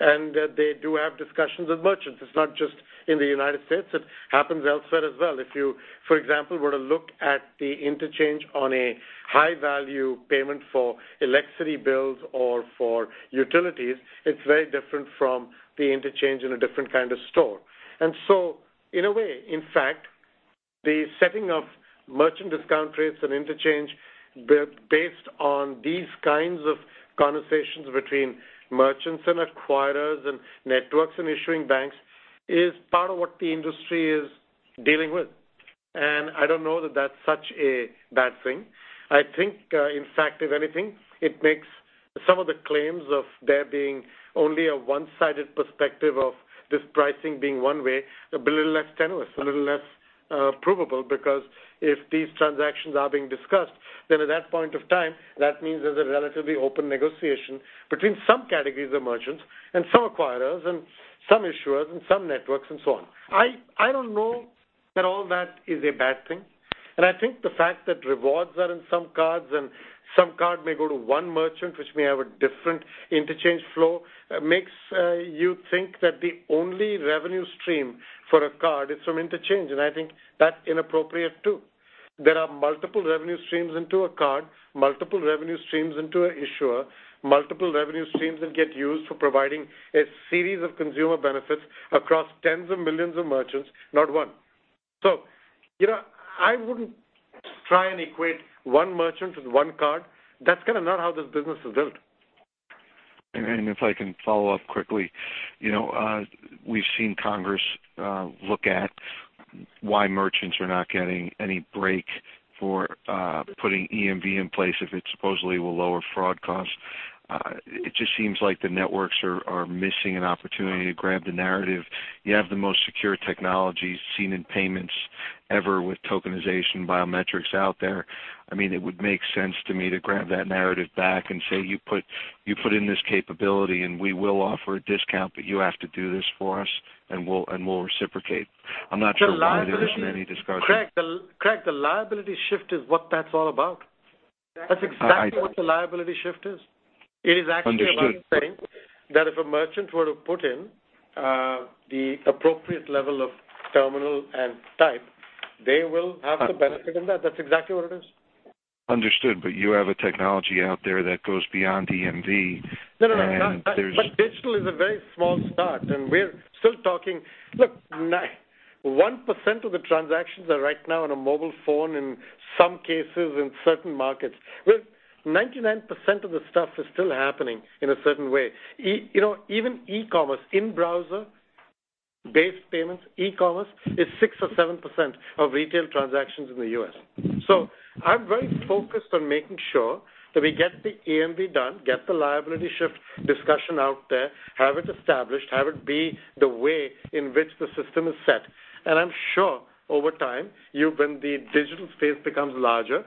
and they do have discussions with merchants. It's not just in the United States. It happens elsewhere as well. If you, for example, were to look at the interchange on a high-value payment for electricity bills or for utilities, it's very different from the interchange in a different kind of store. In a way, in fact, the setting of merchant discount rates and interchange based on these kinds of conversations between merchants and acquirers and networks and issuing banks is part of what the industry is dealing with. I don't know that that's such a bad thing. I think, in fact, if anything, it makes some of the claims of there being only a one-sided perspective of this pricing being one way a little less tenuous, a little less provable, because if these transactions are being discussed, then at that point of time, that means there's a relatively open negotiation between some categories of merchants and some acquirers and some issuers and some networks and so on. I don't know that all that is a bad thing, and I think the fact that rewards are in some cards and some card may go to one merchant, which may have a different interchange flow, makes you think that the only revenue stream for a card is from interchange. I think that's inappropriate, too. There are multiple revenue streams into a card, multiple revenue streams into an issuer, multiple revenue streams that get used for providing a series of consumer benefits across tens of millions of merchants, not one. I wouldn't try and equate one merchant with one card. That's kind of not how this business is built. If I can follow up quickly. We've seen Congress look at why merchants are not getting any break for putting EMV in place if it supposedly will lower fraud costs. It just seems like the networks are missing an opportunity to grab the narrative. You have the most secure technologies seen in payments ever with tokenization biometrics out there. It would make sense to me to grab that narrative back and say, "You put in this capability and we will offer a discount, but you have to do this for us and we'll reciprocate." I'm not sure why there isn't any discussion. Craig, the liability shift is what that's all about. I- That's exactly what the liability shift is. It is. Understood About saying that if a merchant were to put in the appropriate level of terminal and type, they will have the benefit in that. That's exactly what it is. Understood, you have a technology out there that goes beyond EMV. No, no. Digital is a very small start. We're still talking. Look, 1% of the transactions are right now on a mobile phone, in some cases in certain markets. 99% of the stuff is still happening in a certain way. Even e-commerce, in-browser-based payments, e-commerce is 6% or 7% of retail transactions in the U.S. I'm very focused on making sure that we get the EMV done, get the liability shift discussion out there, have it established, have it be the way in which the system is set. I'm sure over time, when the digital space becomes larger,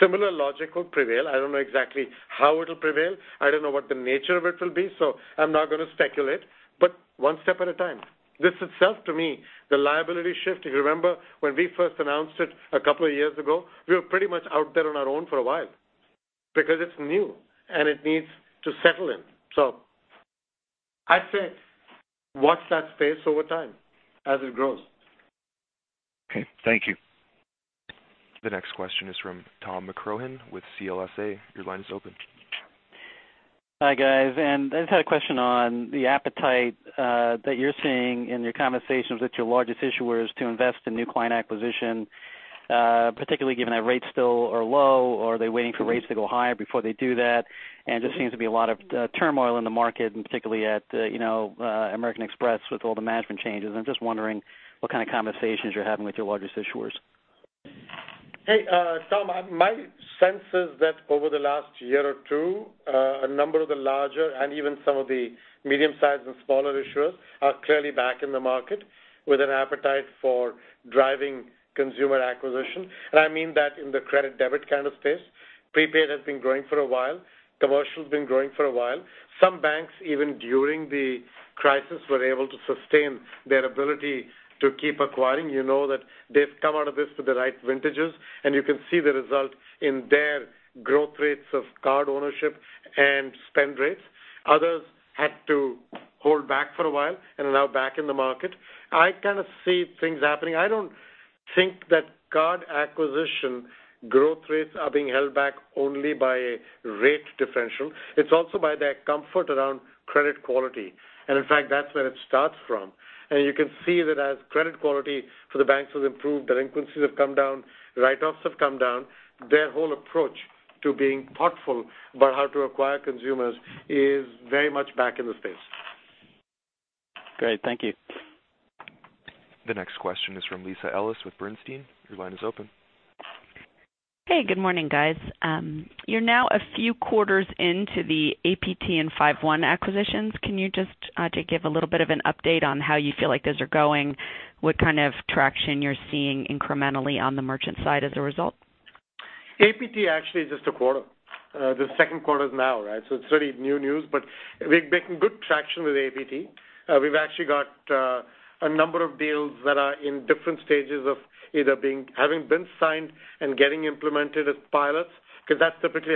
similar logic will prevail. I don't know exactly how it'll prevail. I don't know what the nature of it will be. I'm not going to speculate, but one step at a time. This itself, to me, the liability shift, if you remember when we first announced it a couple of years ago, we were pretty much out there on our own for a while because it's new, and it needs to settle in. I'd say watch that space over time as it grows. Okay. Thank you. The next question is from Thomas McCrohan with CLSA. Your line is open. Hi, guys. I just had a question on the appetite that you're seeing in your conversations with your largest issuers to invest in new client acquisition, particularly given that rates still are low. Are they waiting for rates to go higher before they do that? There just seems to be a lot of turmoil in the market, and particularly at American Express with all the management changes. I'm just wondering what kind of conversations you're having with your largest issuers. Hey, Tom. My sense is that over the last year or two, a number of the larger and even some of the medium-sized and smaller issuers are clearly back in the market with an appetite for driving consumer acquisition. I mean that in the credit debit kind of space. Prepaid has been growing for a while. Commercial's been growing for a while. Some banks, even during the crisis, were able to sustain their ability to keep acquiring. You know that they've come out of this with the right vintages, and you can see the results in their growth rates of card ownership and spend rates. Others had to hold back for a while and are now back in the market. I kind of see things happening. I don't think that card acquisition growth rates are being held back only by rate differential. It's also by their comfort around credit quality. In fact, that's where it starts from. You can see that as credit quality for the banks has improved, delinquencies have come down, write-offs have come down, their whole approach to being thoughtful about how to acquire consumers is very much back in the space. Great. Thank you. The next question is from Lisa Ellis with Bernstein. Your line is open. Hey, good morning, guys. You're now a few quarters into the APT and 5one acquisitions. Can you just give a little bit of an update on how you feel like those are going, what kind of traction you're seeing incrementally on the merchant side as a result? APT actually is just a quarter. The second quarter is now, right? It's really new news, but we're making good traction with APT. We've actually got a number of deals that are in different stages of either having been signed and getting implemented as pilots, because that's typically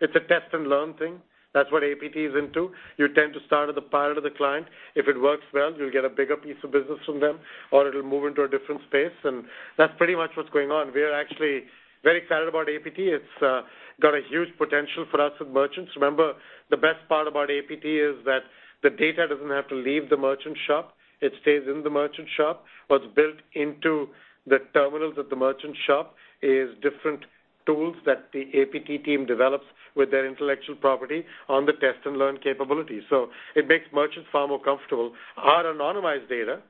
it's a test-and-learn thing. That's what APT is into. You tend to start at the pilot of the client. If it works well, you'll get a bigger piece of business from them, or it'll move into a different space. That's pretty much what's going on. We are actually very excited about APT. It's got a huge potential for us with merchants. Remember, the best part about APT is that the data doesn't have to leave the merchant shop. It stays in the merchant shop. What's built into the terminals at the merchant shop is different tools that the APT team develops with their intellectual property on the test-and-learn capability. It makes merchants far more comfortable. Our anonymized data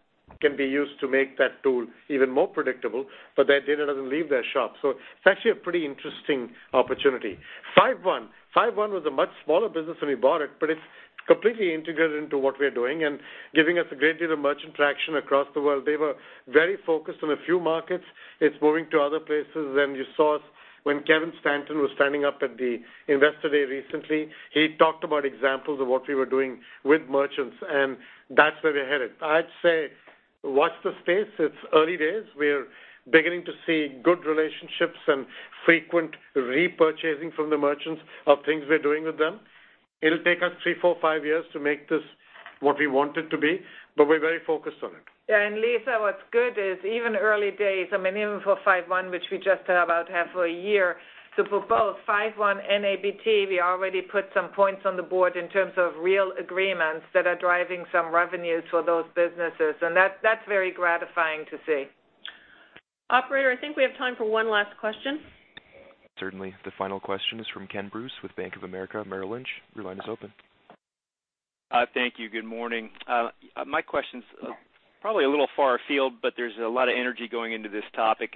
can be used to make that tool even more predictable, but their data doesn't leave their shop. It's actually a pretty interesting opportunity. 5one. Five One was a much smaller business when we bought it, but it's completely integrated into what we're doing and giving us a great deal of merchant traction across the world. They were very focused on a few markets. It's moving to other places. You saw when Kevin Stanton was standing up at the investor day recently, he talked about examples of what we were doing with merchants, and that's where we're headed. I'd say watch this space. It's early days. We're beginning to see good relationships and frequent repurchasing from the merchants of things we're doing with them. It'll take us three, four, five years to make this what we want it to be, but we're very focused on it. Lisa, what's good is even early days, even for 5one, which we just had about half a year. For both 5one and APT, we already put some points on the board in terms of real agreements that are driving some revenues for those businesses, and that's very gratifying to see. Operator, I think we have time for one last question. Certainly. The final question is from Kenneth Bruce with Bank of America Merrill Lynch. Your line is open. Thank you. Good morning. My question's probably a little far afield, but there's a lot of energy going into this topic,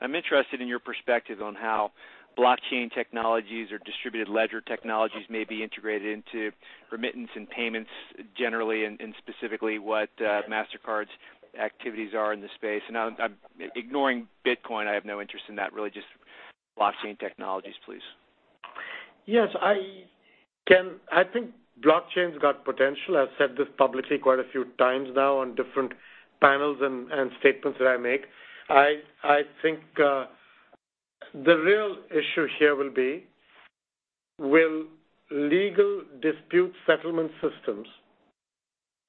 I'm interested in your perspective on how blockchain technologies or distributed ledger technologies may be integrated into remittance and payments generally and specifically what Mastercard's activities are in the space. I'm ignoring Bitcoin. I have no interest in that really, just blockchain technologies, please. Yes, Ken, I think blockchain's got potential. I've said this publicly quite a few times now on different panels and statements that I make. I think the real issue here will be, will legal dispute settlement systems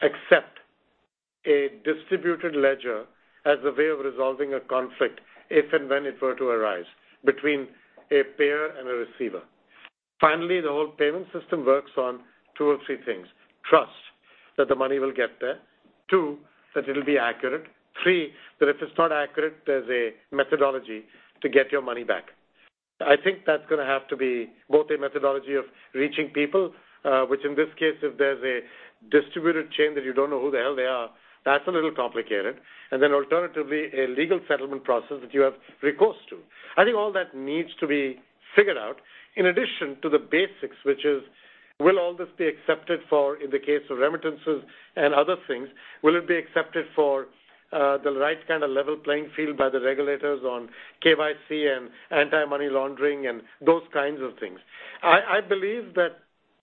accept a distributed ledger as a way of resolving a conflict if and when it were to arise between a payer and a receiver? Finally, the whole payment system works on two or three things. Trust that the money will get there. Two, that it'll be accurate. Three, that if it's not accurate, there's a methodology to get your money back. I think that's going to have to be both a methodology of reaching people, which in this case, if there's a distributed chain that you don't know who the hell they are, that's a little complicated. Alternatively, a legal settlement process that you have recourse to. I think all that needs to be figured out in addition to the basics, which is, will all this be accepted for, in the case of remittances and other things, will it be accepted for the right kind of level playing field by the regulators on KYC and anti-money laundering and those kinds of things? I believe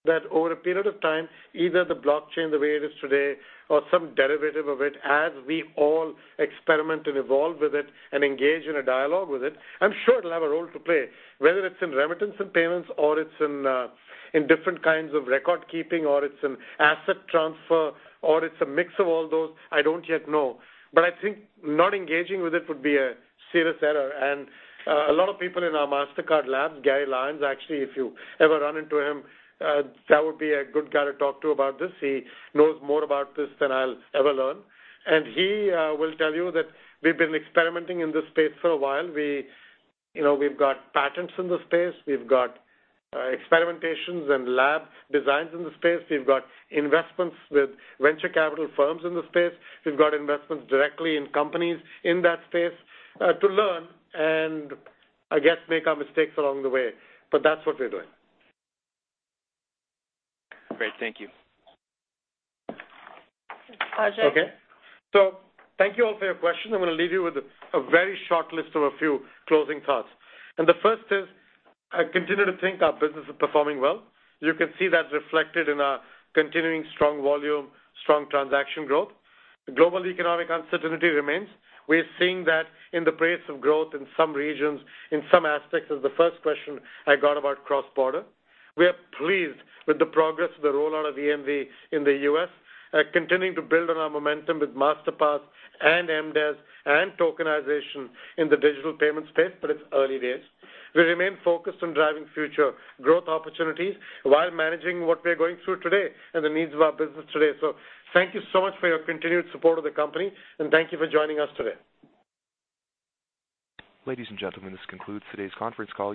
that over a period of time, either the blockchain the way it is today or some derivative of it, as we all experiment and evolve with it and engage in a dialogue with it, I'm sure it'll have a role to play, whether it's in remittance and payments or it's in different kinds of record keeping or it's in asset transfer or it's a mix of all those, I don't yet know. I think not engaging with it would be a serious error. A lot of people in our Mastercard lab, Garry Lyons, actually, if you ever run into him, that would be a good guy to talk to about this. He knows more about this than I'll ever learn. He will tell you that we've been experimenting in this space for a while. We've got patents in the space. We've got experimentations and lab designs in the space. We've got investments with venture capital firms in the space. We've got investments directly in companies in that space to learn and I guess make our mistakes along the way, but that's what we're doing. Great. Thank you. Ajay. Thank you all for your questions. I'm going to leave you with a very short list of a few closing thoughts. The first is I continue to think our business is performing well. You can see that reflected in our continuing strong volume, strong transaction growth. The global economic uncertainty remains. We are seeing that in the pace of growth in some regions, in some aspects as the first question I got about cross-border. We are pleased with the progress of the rollout of EMV in the U.S., continuing to build on our momentum with Masterpass and MDES and tokenization in the digital payment space, but it's early days. We remain focused on driving future growth opportunities while managing what we're going through today and the needs of our business today. Thank you so much for your continued support of the company, and thank you for joining us today. Ladies and gentlemen, this concludes today's conference call.